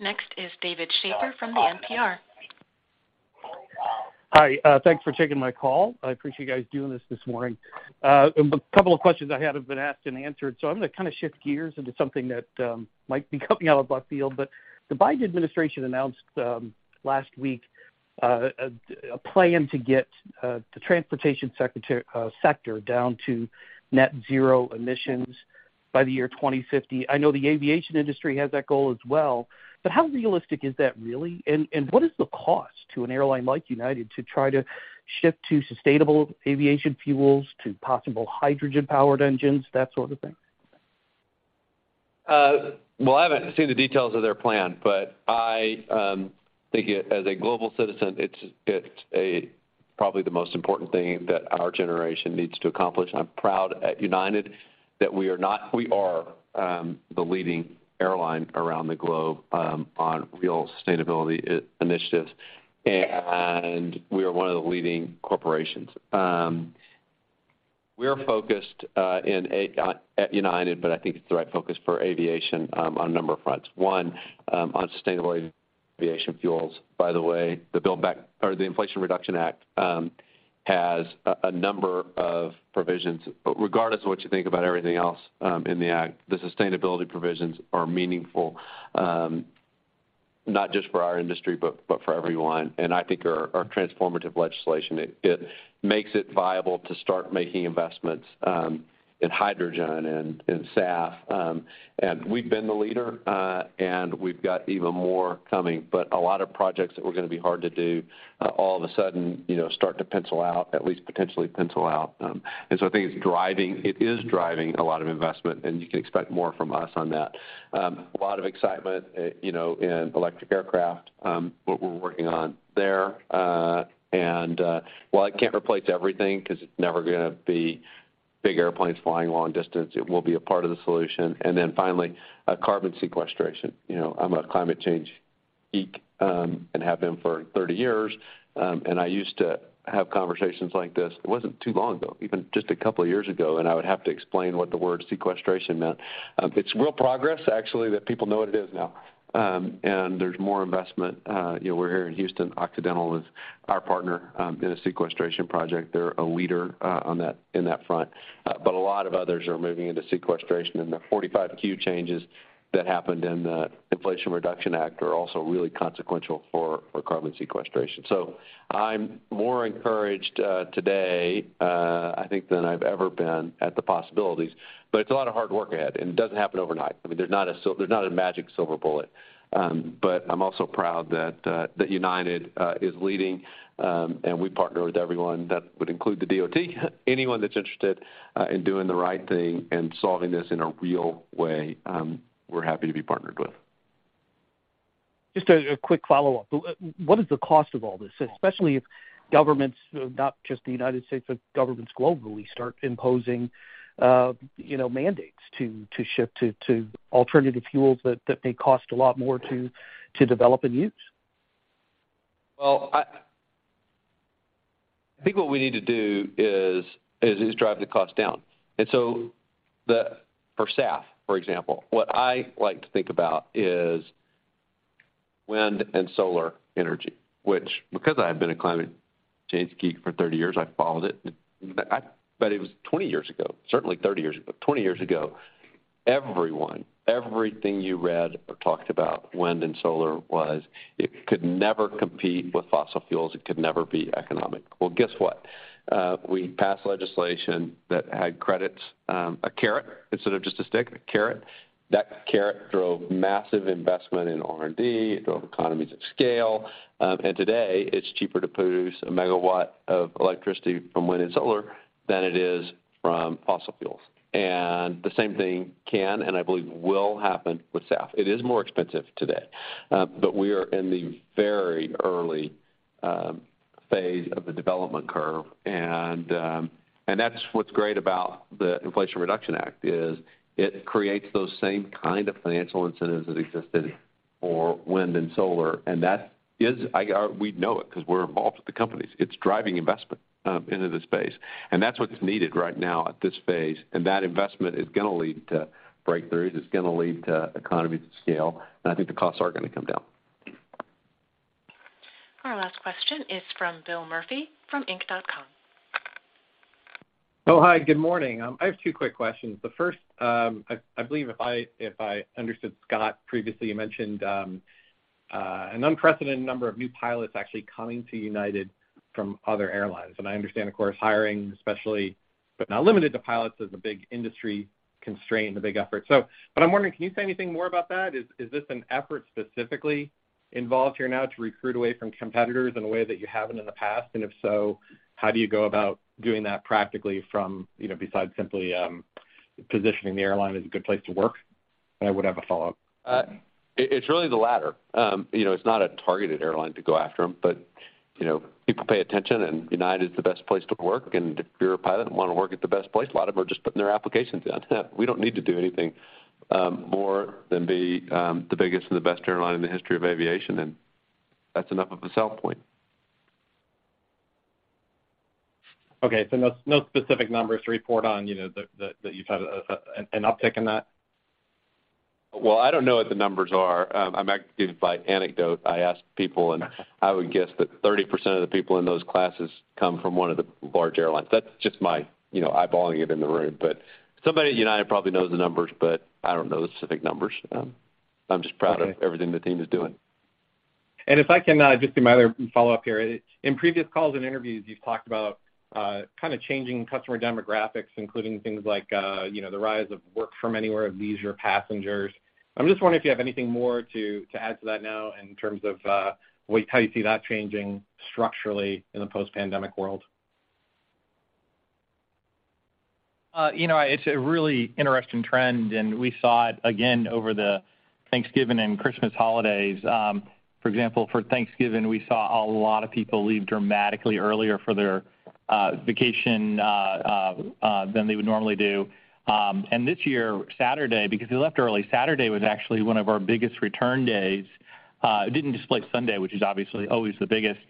Next is David Schaper from the NPR. Hi. Thanks for taking my call. I appreciate you guys doing this this morning. A couple of questions I had have been asked and answered, so I'm gonna kind of shift gears into something that might be coming out of left field. The Biden administration announced last week a plan to get the transportation sector down to net zero emissions by the year 2050. I know the aviation industry has that goal as well. How realistic is that really? What is the cost to an airline like United to try to shift to sustainable aviation fuels, to possible hydrogen-powered engines, that sort of thing? Well, I haven't seen the details of their plan, but I think as a global citizen, it's a probably the most important thing that our generation needs to accomplish. I'm proud at United that we are the leading airline around the globe on real sustainability initiatives, and we are one of the leading corporations. We're focused in a at United, but I think it's the right focus for aviation on a number of fronts. One, on sustainable aviation fuels. By the way, the Inflation Reduction Act has a number of provisions. Regardless of what you think about everything else in the act, the sustainability provisions are meaningful, not just for our industry, but for everyone. I think are transformative legislation. It makes it viable to start making investments in hydrogen and SAF. We've been the leader, and we've got even more coming. A lot of projects that were gonna be hard to do, all of a sudden, you know, start to pencil out, at least potentially pencil out. I think it is driving a lot of investment, and you can expect more from us on that. A lot of excitement, you know, in electric aircraft, what we're working on there. While it can't replace everything because it's never gonna be big airplanes flying long distance, it will be a part of the solution. Finally, carbon sequestration. You know, I'm a climate change geek, and have been for 30 years. I used to have conversations like this, it wasn't too long ago, even just a couple of years ago, I would have to explain what the word sequestration meant. It's real progress actually, that people know what it is now. There's more investment. You know, we're here in Houston. Occidental is our partner in a sequestration project. They're a leader in that front. A lot of others are moving into sequestration, and the 45Q changes that happened in the Inflation Reduction Act are also really consequential for carbon sequestration. I'm more encouraged today, I think, than I've ever been at the possibilities. It's a lot of hard work ahead, and it doesn't happen overnight. I mean, there's not a magic silver bullet. I'm also proud that United is leading, and we partner with everyone that would include the DOT. Anyone that's interested in doing the right thing and solving this in a real way, we're happy to be partnered with. Just a quick follow-up. What is the cost of all this? Especially if governments, not just the United States, but governments globally, start imposing, you know, mandates to shift to alternative fuels that may cost a lot more to develop and use. Well, I think what we need to do is drive the cost down. For SAF, for example, what I like to think about is wind and solar energy, which because I've been a climate change geek for 30 years, I followed it. It was 20 years ago, certainly 30 years ago. 20 years ago, everyone, everything you read or talked about wind and solar was, it could never compete with fossil fuels, it could never be economic. Well, guess what? We passed legislation that had credits, a carrot instead of just a stick, a carrot. That carrot drove massive investment in R&D. It drove economies of scale. Today it's cheaper to produce a megawatt of electricity from wind and solar than it is from fossil fuels. The same thing can, and I believe will happen with SAF. It is more expensive today, but we are in the very early phase of the development curve. That's what's great about the Inflation Reduction Act, is it creates those same kind of financial incentives that existed for wind and solar, and that is, we know it 'cause we're involved with the companies. It's driving investment into the space, and that's what is needed right now at this phase, and that investment is gonna lead to breakthroughs, it's gonna lead to economies of scale, and I think the costs are gonna come down. Our last question is from Bill Murphy from Inc.com. Oh, hi, good morning. I have two quick questions. The first, I believe if I, if I understood Scott previously, you mentioned an unprecedented number of new pilots actually coming to United from other airlines. I understand, of course, hiring, especially, but not limited to pilots, is a big industry constraint and a big effort. I'm wondering, can you say anything more about that? Is this an effort specifically involved here now to recruit away from competitors in a way that you haven't in the past? If so, how do you go about doing that practically from, you know, besides simply positioning the airline as a good place to work? I would have a follow-up. It's really the latter. You know, it's not a targeted airline to go after them. You know, people pay attention, and United is the best place to work. If you're a pilot and wanna work at the best place, a lot of them are just putting their applications in. We don't need to do anything more than be the biggest and the best airline in the history of aviation, and that's enough of a sell point. Okay, no specific numbers to report on, you know, that you've had an uptick in that? Well, I don't know what the numbers are. I'm acting by anecdote. I ask people, I would guess that 30% of the people in those classes come from one of the large airlines. That's just my, you know, eyeballing it in the room. Somebody at United probably knows the numbers, but I don't know the specific numbers. I'm just proud of everything the team is doing. If I can just do my other follow-up here. In previous calls and interviews, you've talked about kinda changing customer demographics, including things like, you know, the rise of work from anywhere and leisure passengers. I'm just wondering if you have anything more to add to that now in terms of how you see that changing structurally in the post-pandemic world. You know, it's a really interesting trend, and we saw it again over the Thanksgiving and Christmas holidays. For example, for Thanksgiving, we saw a lot of people leave dramatically earlier for their vacation than they would normally do. This year, Saturday, because they left early, Saturday was actually one of our biggest return days. It didn't displace Sunday, which is obviously always the biggest.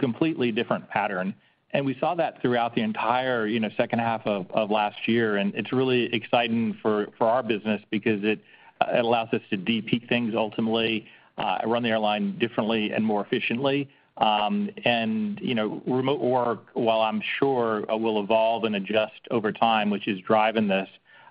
Completely different pattern. We saw that throughout the entire, you know, second half of last year, and it's really exciting for our business because it allows us to de-peak things ultimately, run the airline differently and more efficiently. You know, remote work, while I'm sure will evolve and adjust over time, which is driving this,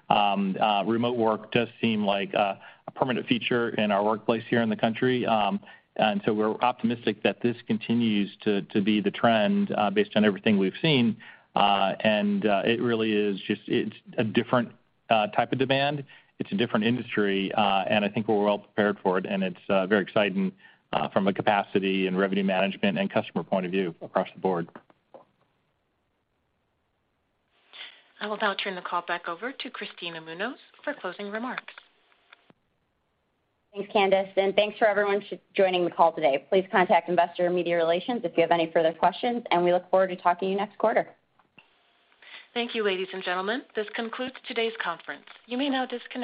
remote work does seem like a permanent feature in our workplace here in the country. We're optimistic that this continues to be the trend, based on everything we've seen. It really is just it's a different type of demand. It's a different industry. I think we're well prepared for it, and it's very exciting from a capacity and revenue management and customer point of view across the board. I will now turn the call back over to Kristina Munoz for closing remarks. Thanks, Candice, and thanks for everyone joining the call today. Please contact investor and media relations if you have any further questions, and we look forward to talking to you next quarter. Thank you, ladies and gentlemen. This concludes today's conference. You may now disconnect.